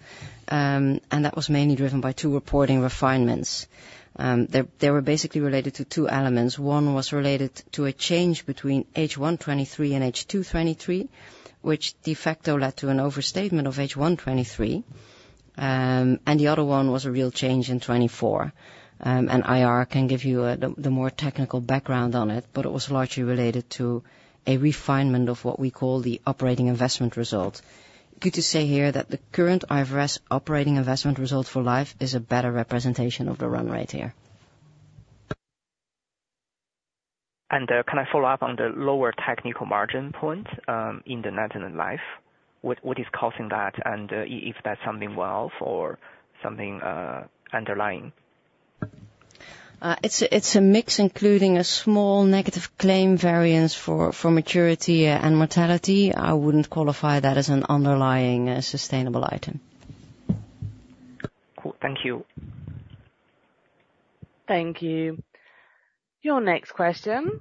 and that was mainly driven by two reporting refinements. They, they were basically related to two elements. One was related to a change between H1 2023 and H2 2023, which de facto led to an overstatement of H1 2023. And the other one was a real change in 2024, and IR can give you, the, the more technical background on it, but it was largely related to a refinement of what we call the operating investment result. Good to say here that the current IFRS operating investment result for Life is a better representation of the run rate here. Can I follow up on the lower technical margin point in the Netherlands Life? What is causing that, and if that's something well or something underlying? It's a mix, including a small negative claim variance for maturity and mortality. I wouldn't qualify that as an underlying sustainable item. Cool. Thank you. Thank you. Your next question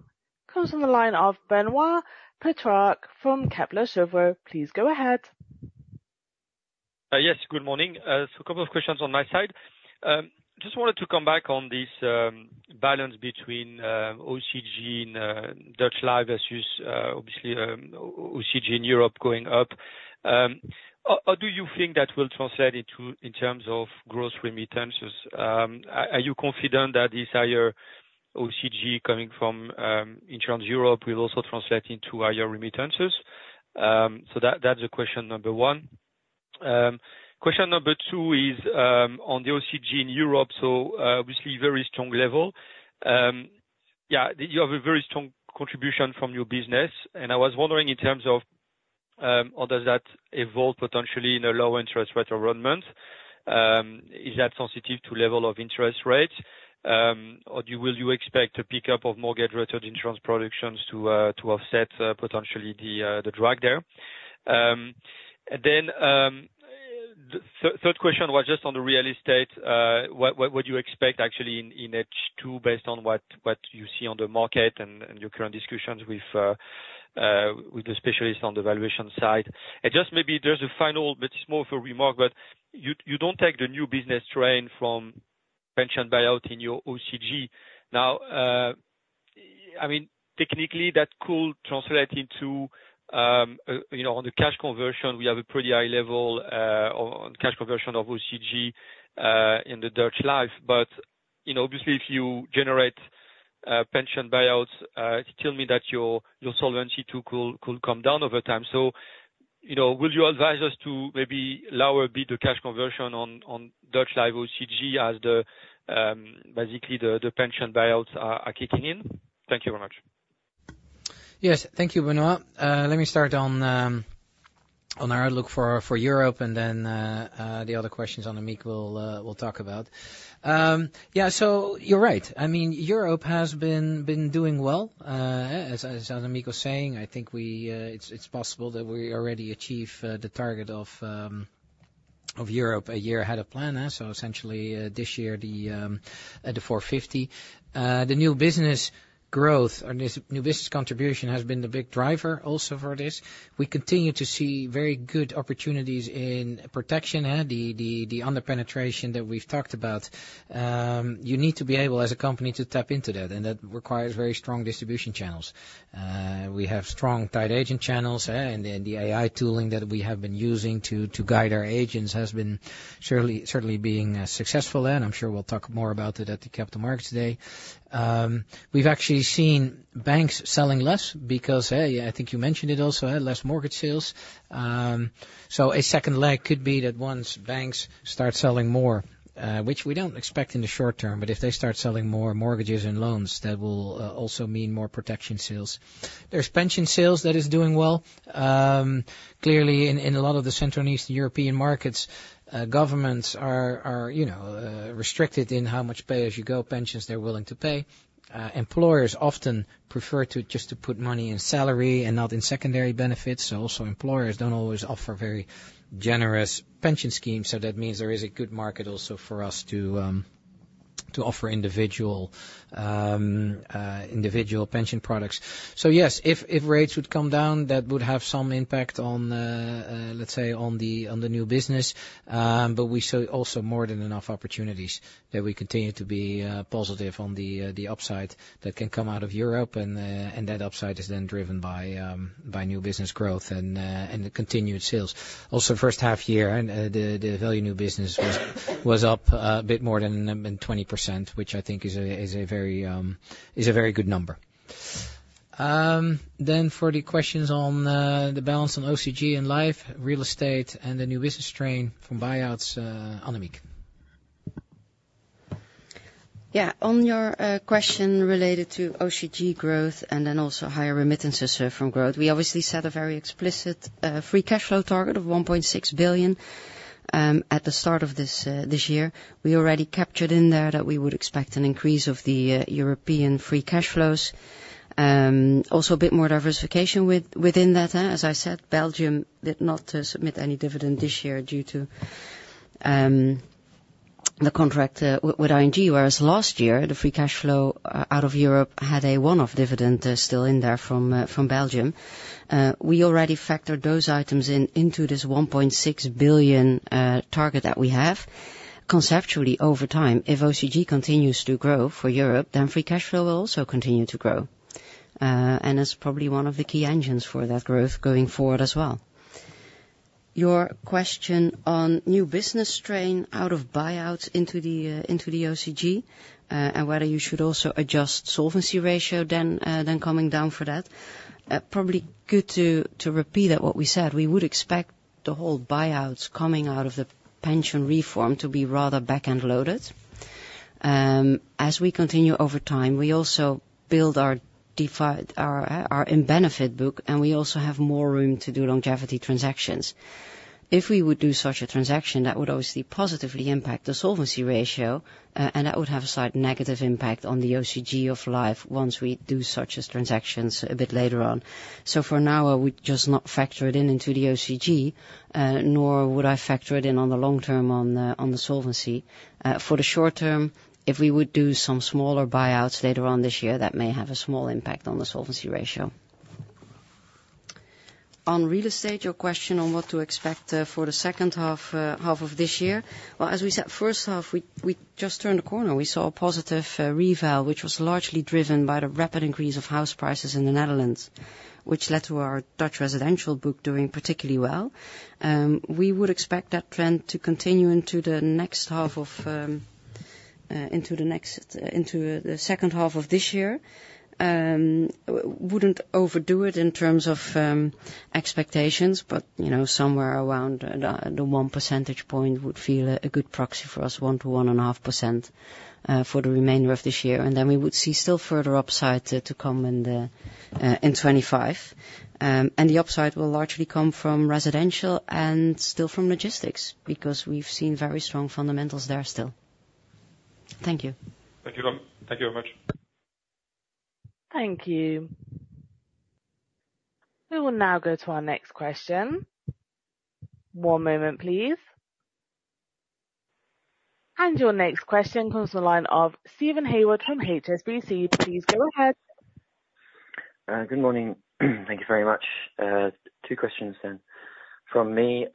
comes from the line of Benoit Petrarque from Kepler Cheuvreux. Please go ahead. Yes, good morning. So a couple of questions on my side. Just wanted to come back on this, balance between OCG and Dutch Life as you obviously OCG in Europe going up. How do you think that will translate into, in terms of gross remittances? Are you confident that this higher OCG coming from Insurance Europe will also translate into higher remittances? So that's question number one. Question number two is on the OCG in Europe. So, obviously very strong level. Yeah, you have a very strong contribution from your business, and I was wondering in terms of how does that evolve potentially in a low interest rate environment? Is that sensitive to level of interest rates? Or do you, will you expect a pickup of mortgage-related insurance productions to offset potentially the drag there? And then, third question was just on the real estate. What do you expect actually in H2, based on what you see on the market and your current discussions with the specialists on the valuation side? Just maybe there's a final, but it's more of a remark, but you don't take the new business strain from pension buyout in your OCG. Now, I mean, technically, that could translate into, you know, on the cash conversion, we have a pretty high level, on cash conversion of OCG, in the Dutch Life. But, you know, obviously if you generate pension buyouts, it tell me that your Solvency II could come down over time. So, you know, will you advise us to maybe lower a bit the cash conversion on Dutch Life OCG as basically the pension buyouts are kicking in? Thank you very much. Yes, thank you, Benoit. Let me start on our outlook for Europe and then the other questions Annemiek will talk about. Yeah, so you're right. I mean, Europe has been doing well. As Annemiek was saying, I think it's possible that we already achieve the target of Europe a year ahead of plan, eh? So essentially, this year, the 450. The new business growth or this new business contribution has been the big driver also for this. We continue to see very good opportunities in protection, eh, the under-penetration that we've talked about. You need to be able, as a company, to tap into that, and that requires very strong distribution channels. We have strong, tied agent channels, and then the AI tooling that we have been using to guide our agents has been surely, certainly being successful there, and I'm sure we'll talk more about it at the Capital Markets Day. We've actually seen Banks selling less because, hey, I think you mentioned it also, less mortgage sales. So a second leg could be that once Banks start selling more, which we don't expect in the short term, but if they start selling more mortgages and loans, that will also mean more protection sales. There's pension sales that is doing well. Clearly in a lot of the Central and Eastern European markets, governments are, you know, restricted in how much pay-as-you-go pensions they're willing to pay. Employers often prefer to just put money in salary and not in secondary benefits. So also, employers don't always offer very generous pension schemes. So that means there is a good market also for us to offer individual pension products. So yes, if rates would come down, that would have some impact on, let's say, on the new business. But we see also more than enough opportunities that we continue to be positive on the upside that can come out of Europe, and that upside is then driven by new business growth and the continued sales. lso, first half year, the value new business was up a bit more than 20%, which I think is a very good number. Then for the questions on the balance on OCG and Life, real estate and the new business trend from buyouts, Annemiek. Yeah. On your question related to OCG growth and then also higher remittances from growth, we obviously set a very explicit free cash flow target of 1.6 billion at the start of this year. We already captured in there that we would expect an increase of the European free cash flows. Also a bit more diversification within that. As I said, Belgium did not submit any dividend this year due to the contract with ING, whereas last year, the free cash flow out of Europe had a one-off dividend still in there from Belgium. We already factored those items in into this 1.6 billion target that we have. Conceptually, over time, if OCG continues to grow for Europe, then free cash flow will also continue to grow. And it's probably one of the key engines for that growth going forward as well. Your question on new business run-out of buyouts into the OCG, and whether you should also adjust solvency ratio then coming down for that. Probably good to repeat that what we said, we would expect the whole buyouts coming out of the pension reform to be rather back-end loaded. As we continue over time, we also build our defined benefit book, and we also have more room to do longevity transactions. If we would do such a transaction, that would obviously positively impact the solvency ratio, and that would have a slight negative impact on the OCG of Life once we do such transactions a bit later on. So for now, I would just not factor it in into the OCG, nor would I factor it in on the long term on the, on the solvency. For the short term, if we would do some smaller buyouts later on this year, that may have a small impact on the solvency ratio. On real estate, your question on what to expect, for the second half, half of this year. Well, as we said, first half, we just turned the corner. We saw a positive, reval, which was largely driven by the rapid increase of house prices in the Netherlands, which led to our Dutch residential book doing particularly well. We would expect that trend to continue into the next half of, into the next, into the second half of this year. Wouldn't overdo it in terms of expectations, but, you know, somewhere around the 1 percentage point would feel a good proxy for us, 1 to 1.5%, for the remainder of this year. Then we would see still further upside to come in the 2025. And the upside will largely come from residential and still from logistics, because we've seen very strong fundamentals there still. Thank you. Thank you, thank you very much. Thank you. We will now go to our next question. One moment, please. Your next question comes on the line of Steven Haywood from HSBC. Please go ahead. Good morning. Thank you very much. Two questions then from me.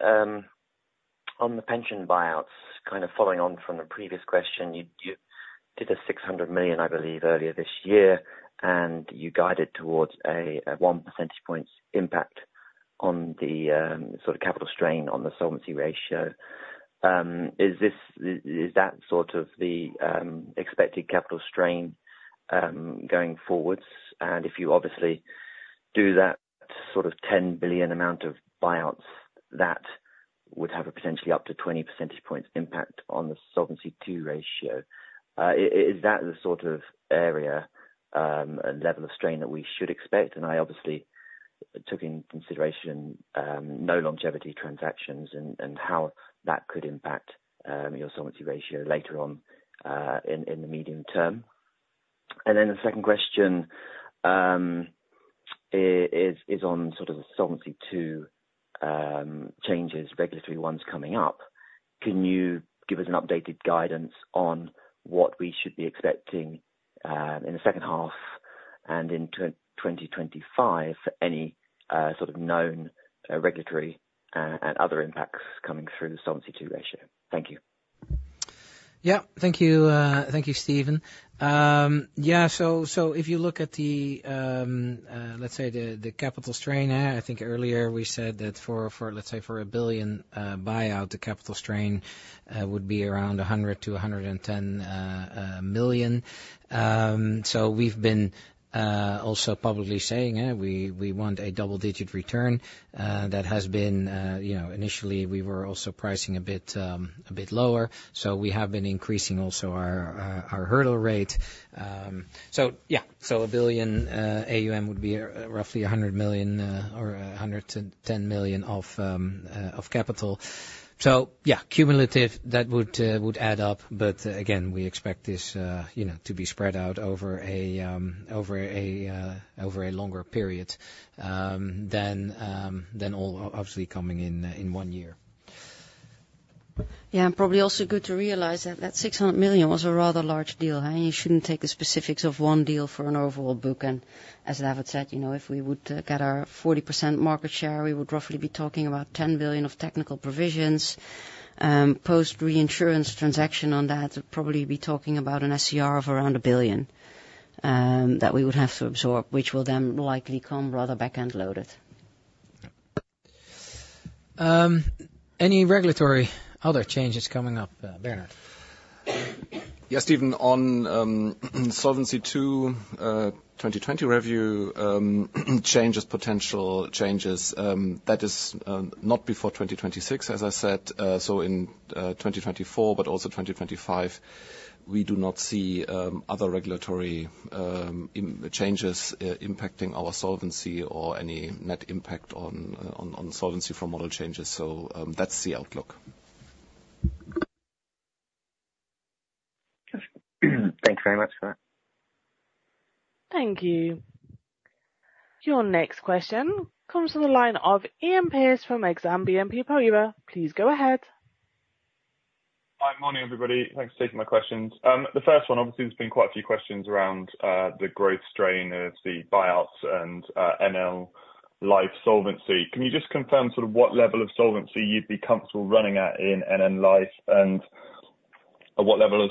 On the pension buyouts, kind of following on from the previous question, you did a 600 million, I believe, earlier this year, and you guided towards a 1 percentage points impact on the sort of capital strain on the solvency ratio. Is this, is that sort of the expected capital strain going forwards? And if you obviously do that sort of 10 billion amount of buyouts, that would have a potentially up to 20 percentage points impact on the Solvency II ratio. Is that the sort of area and level of strain that we should expect? And I obviously took into consideration no longevity transactions and how that could impact your solvency ratio later on in the medium term. And then the second question is on sort of the Solvency II changes, regulatory ones coming up. Can you give us an updated guidance on what we should be expecting in the second half and in 2025, any sort of known regulatory and other impacts coming through the Solvency II ratio? Thank you. Yeah, thank you, thank you, Steven. Yeah, so if you look at the, let's say the capital strain, I think earlier we said that for, let's say, for a 1 billion buyout, the capital strain would be around 100 million-110 million. So we've been also publicly saying, we want a double-digit return. That has been, you know, initially we were also pricing a bit lower, so we have been increasing also our hurdle rate. So yeah, so a 1 billion AUM would be roughly 100 million or 110 million of capital. So yeah, cumulative, that would add up, but again, we expect this, you know, to be spread out over a longer period than all obviously coming in one year. Yeah, and probably also good to realize that that 600 million was a rather large deal, and you shouldn't take the specifics of one deal for an overall book. As David said, you know, if we would get our 40% market share, we would roughly be talking about 10 billion of technical provisions. Post reinsurance transaction on that, probably be talking about an SCR of around 1 billion that we would have to absorb, which will then likely come rather back-end loaded. Yep. Any regulatory other changes coming up, Bernhard? Yes, Steven, on Solvency II, 2020 review, changes, potential changes, that is not before 2026, as I said. So in 2024, but also 2025, we do not see other regulatory imminent changes impacting our solvency or any net impact on solvency from model changes. So, that's the outlook. Thanks very much for that. Thank you. Your next question comes from the line of Iain Pearce from Exane BNP Paribas. Please go ahead. Hi, morning, everybody. Thanks for taking my questions. The first one, obviously, there's been quite a few questions around the growth strain of the buyouts and NL Life solvency. Can you just confirm sort of what level of solvency you'd be comfortable running at in NL Life, and at what level of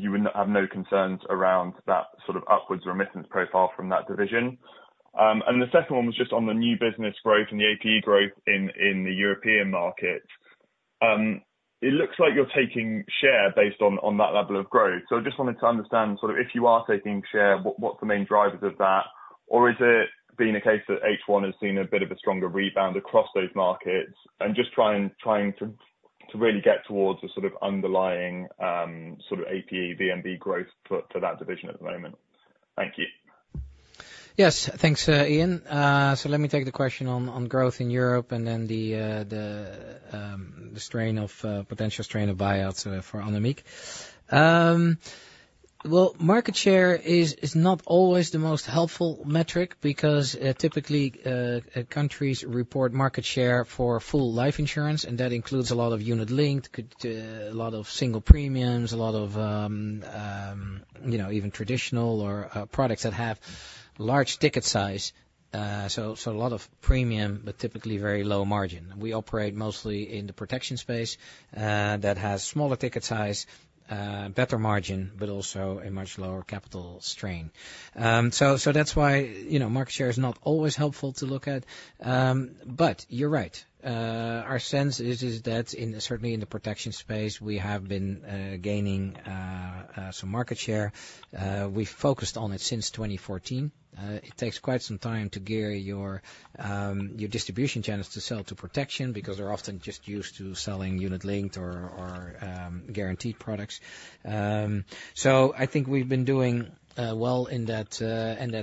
solvency you would have no concerns around that sort of upwards remittance profile from that division? And the second one was just on the new business growth and the APE growth in the European market. It looks like you're taking share based on that level of growth. So I just wanted to understand sort of, if you are taking share, what's the main drivers of that? Or is it been a case that H1 has seen a bit of a stronger rebound across those markets? Just trying to really get towards the sort of underlying sort of APE and VNB growth for that division at the moment. Thank you. Yes. Thanks, Iain. So let me take the question on growth in Europe and then the strain of potential strain of buyouts for Annemiek. Well, market share is not always the most helpful metric, because typically countries report market share for full life insurance, and that includes a lot of unit linked, a lot of single premiums, a lot of, you know, even traditional or products that have large ticket size. So a lot of premium, but typically very low margin. We operate mostly in the protection space, that has smaller ticket size, better margin, but also a much lower capital strain. So that's why, you know, market share is not always helpful to look at. But you're right. Our sense is that, certainly in the protection space, we have been gaining some market share. We've focused on it since 2014. It takes quite some time to gear your distribution channels to sell protection, because they're often just used to selling unit-linked or guaranteed products. So I think we've been doing well in that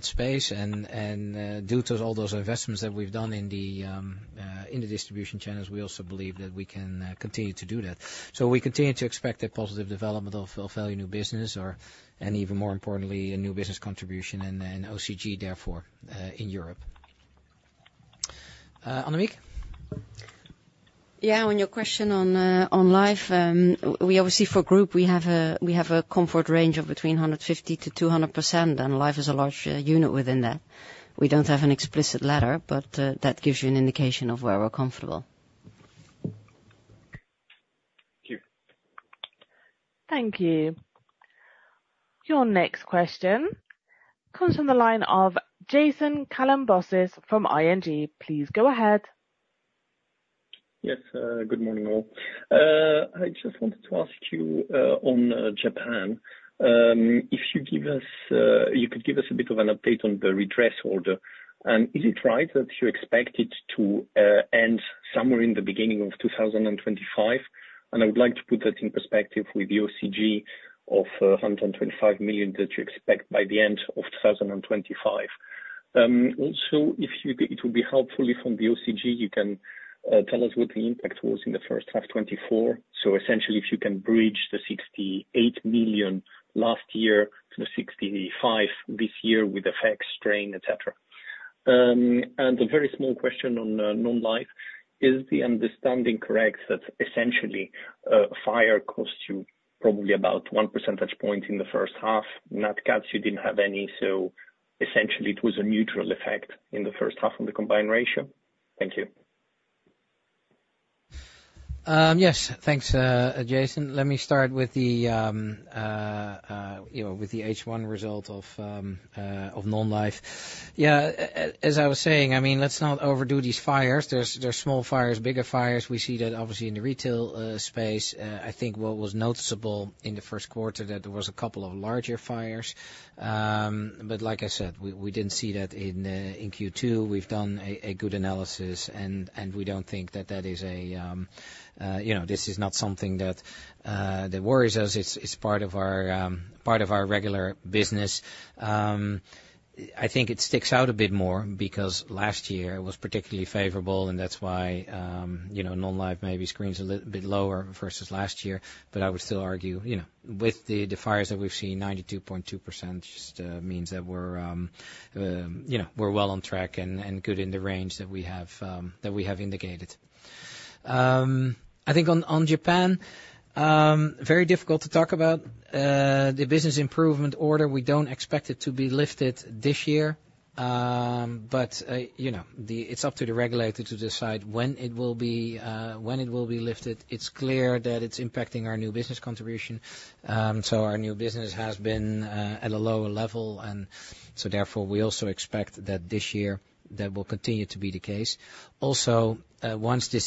space. And due to all those investments that we've done in the distribution channels, we also believe that we can continue to do that. So we continue to expect a positive development of value new business, and even more importantly, a new business contribution and OCG, therefore, in Europe. Annemiek? Yeah, on your question on life, we obviously for group, we have a comfort range of between 150 to 200%, and life is a large unit within that. We don't have an explicit letter, but that gives you an indication of where we're comfortable. Thank you. Thank you. Your next question comes from the line of Jason Kalamboussis from ING. Please go ahead. Yes, good morning, all. I just wanted to ask you, on Japan, you could give us a bit of an update on the redress order. Is it right that you expect it to end somewhere in the beginning of 2025? I would like to put that in perspective with the OCG of 125 million that you expect by the end of 2025. Also, it will be helpful if from the OCG, you can tell us what the impact was in the first half 2024. So essentially, if you can bridge the 68 million last year to the 65 million this year with FX, strain, et cetera. A very small question on Non-Life: Is the understanding correct that essentially fire costs you probably about one percentage point in the first half? Nat cats, you didn't have any, so essentially it was a neutral effect in the first half on the combined ratio? Thank you. Yes. Thanks, Jason. Let me start with the, you know, with the H1 result of Non-Life. Yeah, as I was saying, I mean, let's not overdo these fires. There's small fires, bigger fires. We see that obviously in the retail space. I think what was noticeable in the first quarter, that there was a couple of larger fires. But like I said, we didn't see that in Q2. We've done a good analysis, and we don't think that that is, you know, this is not something that worries us. It's part of our regular business. I think it sticks out a bit more because last year was particularly favorable, and that's why, you know, Non-Life maybe screens a little bit lower versus last year. But I would still argue, you know, with the, the fires that we've seen, 92.2% just means that we're, you know, we're well on track and, and good in the range that we have, that we have indicated. I think on, on Japan, very difficult to talk about. The business improvement order, we don't expect it to be lifted this year. But, you know, the... It's up to the regulator to decide when it will be, when it will be lifted. It's clear that it's impacting our new business contribution. So our new business has been at a lower level, and so therefore, we also expect that this year, that will continue to be the case. Also, once the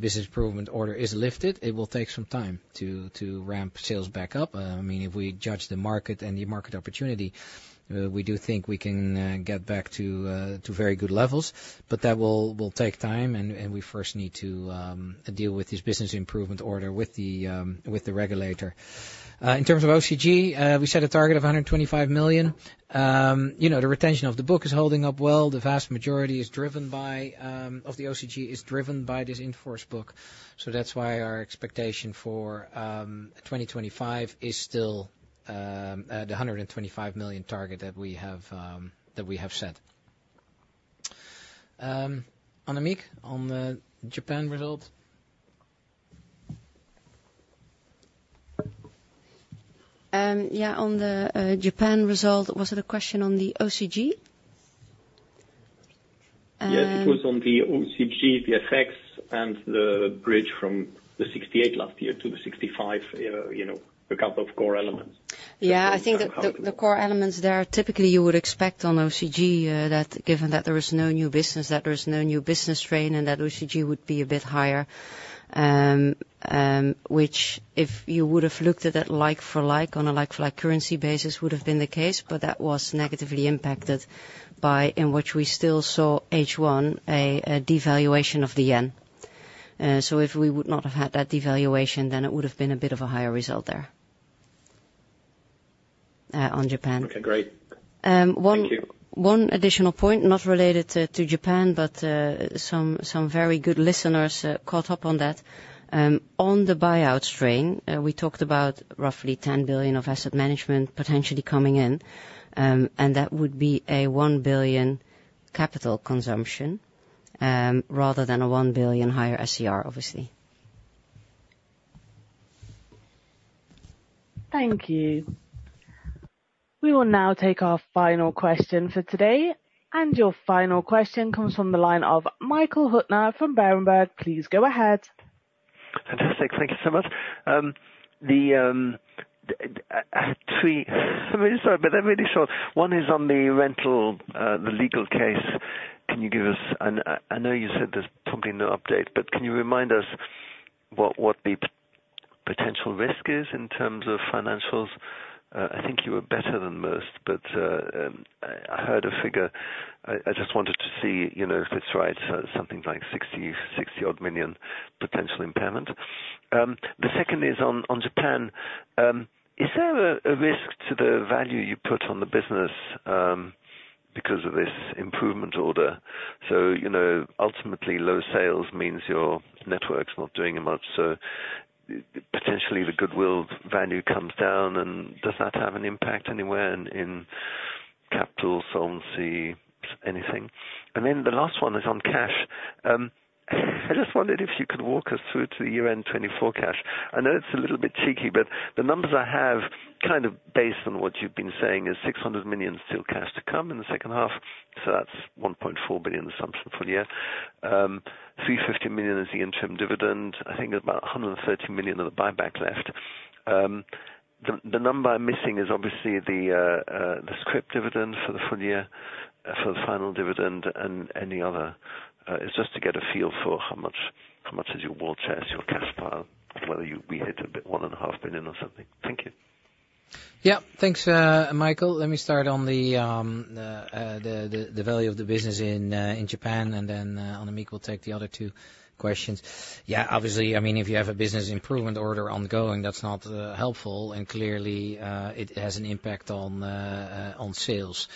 business improvement order is lifted, it will take some time to ramp sales back up. I mean, if we judge the market and the market opportunity, we do think we can get back to very good levels, but that will take time, and we first need to deal with this business improvement order with the regulator. In terms of OCG, we set a target of 125 million. You know, the retention of the book is holding up well. The vast majority of the OCG is driven by this in-force book. That's why our expectation for 2025 is still at 125 million target that we have set. Annemiek, on the Japan result? Yeah, on the Japan result, was it a question on the OCG? Yes, it was on the OCG, the effects, and the bridge from the 68 last year to the 65, you know, a couple of core elements. Yeah, I think that the core elements there, typically you would expect on OCG, that given that there is no new business, that there is no new business strain, and that OCG would be a bit higher. Which if you would have looked at it like for like, on a like-for-like currency basis, would have been the case, but that was negatively impacted by in which we still saw H1, a devaluation of the yen. So if we would not have had that devaluation, then it would have been a bit of a higher result there, on Japan. Okay, great. Um, one Thank you. One additional point, not related to Japan, but some very good listeners caught up on that. On the buyout strain, we talked about roughly 10 billion of asset management potentially coming in, and that would be a 1 billion capital consumption, rather than a 1 billion higher SCR, obviously. Thank you. We will now take our final question for today, and your final question comes from the line of Michael Huttner from Berenberg. Please go ahead. Fantastic. Thank you so much. The three, I'm really sorry, but they're really short. One is on the rental, the legal case. Can you give us... And I know you said there's probably no update, but can you remind us what the potential risk is in terms of financials? I think you were better than most, but I heard a figure. I just wanted to see, you know, if it's right, something like 60-odd million EUR potential impairment. The second is on Japan. Is there a risk to the value you put on the business because of this improvement order? So, you know, ultimately, low sales means your network's not doing much, so potentially the goodwill value comes down. And does that have an impact anywhere in capital solvency, anything? The last one is on cash. I just wondered if you could walk us through to the year-end 2024 cash. I know it's a little bit cheeky, but the numbers I have, kind of based on what you've been saying, is 600 million still cash to come in the second half, so that's 1.4 billion assumption for the year. 350 million is the interim dividend. I think about 130 million of the buyback left. The number I'm missing is obviously the scrip dividend for the full year, for the final dividend and any other. It's just to get a feel for how much, how much is your war chest, your cash pile, whether you, we hit a bit 1.5 billion or something. Thank you. Yeah. Thanks, Michael. Let me start on the value of the business in Japan, and then Annemiek will take the other two questions. Yeah, obviously, I mean, if you have a business improvement order ongoing, that's not helpful. And clearly, it has an impact on sales.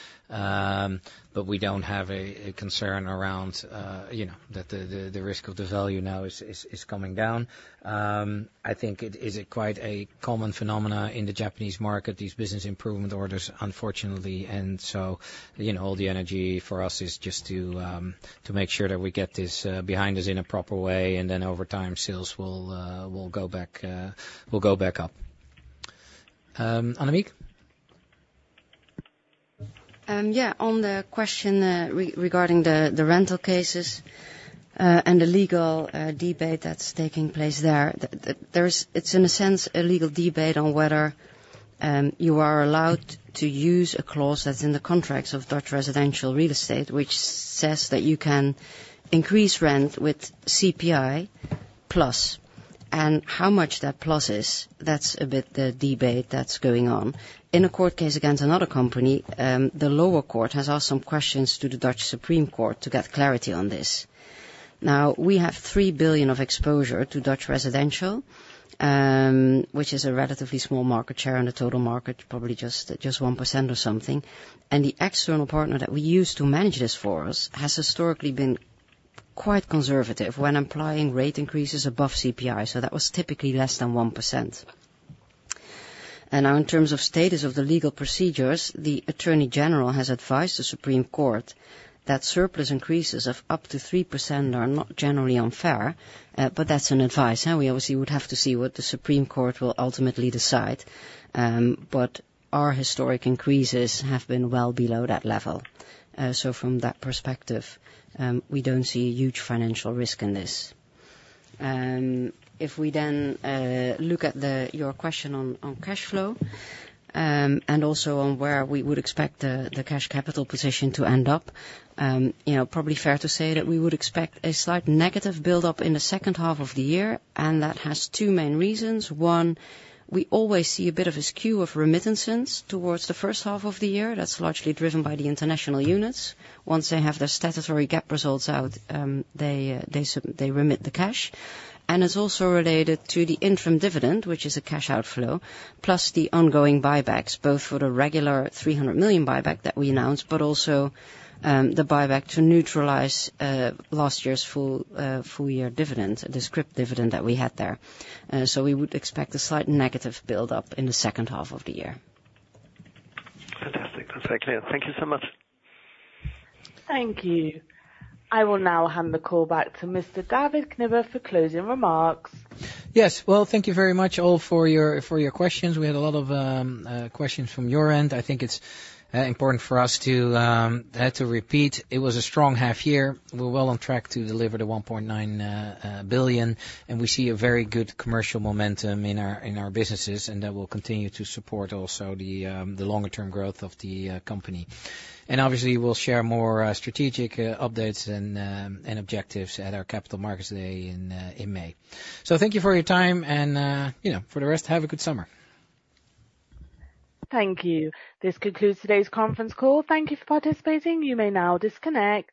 But we don't have a concern around, you know, that the risk of the value now is coming down. I think it is a quite a common phenomena in the Japanese market, these business improvement orders, unfortunately. And so, you know, all the energy for us is just to make sure that we get this behind us in a proper way, and then over time, sales will go back up. Annemiek? Yeah, on the question, regarding the rental cases, and the legal debate that's taking place there. It's in a sense, a legal debate on whether you are allowed to use a clause that's in the contracts of Dutch residential real estate, which says that you can increase rent with CPI plus. And how much that plus is, that's a bit the debate that's going on. In a court case against another company, the lower court has asked some questions to the Dutch Supreme Court to get clarity on this. Now, we have 3 billion of exposure to Dutch residential, which is a relatively small market share on the total market, probably just 1% or something. The external partner that we use to manage this for us has historically been quite conservative when applying rate increases above CPI, so that was typically less than 1%. Now, in terms of status of the legal procedures, the attorney general has advised the Supreme Court that surplus increases of up to 3% are not generally unfair, but that's an advice. Now, we obviously would have to see what the Supreme Court will ultimately decide, but our historic increases have been well below that level. So from that perspective, we don't see a huge financial risk in this. If we then look at the... Your question on cash flow, and also on where we would expect the cash capital position to end up, you know, probably fair to say that we would expect a slight negative build-up in the second half of the year, and that has two main reasons. One, we always see a bit of a skew of remittances towards the first half of the year. That's largely driven by the international units. Once they have their statutory GAAP results out, they remit the cash. And it's also related to the interim dividend, which is a cash outflow, plus the ongoing buybacks, both for the regular 300 million buyback that we announced, but also, the buyback to neutralize last year's full year dividend, the scrip dividend that we had there. We would expect a slight negative build-up in the second half of the year. Fantastic. That's very clear. Thank you so much. Thank you. I will now hand the call back to Mr. David Knibbe for closing remarks. Yes. Well, thank you very much all for your, for your questions. We had a lot of questions from your end. I think it's important for us to had to repeat. It was a strong half year. We're well on track to deliver the 1.9 billion, and we see a very good commercial momentum in our, in our businesses, and that will continue to support also the the longer term growth of the company. And obviously, we'll share more strategic updates and and objectives at our Capital Markets Day in in May. So thank you for your time and, you know, for the rest, have a good summer. Thank you. This concludes today's conference call. Thank you for participating. You may now disconnect.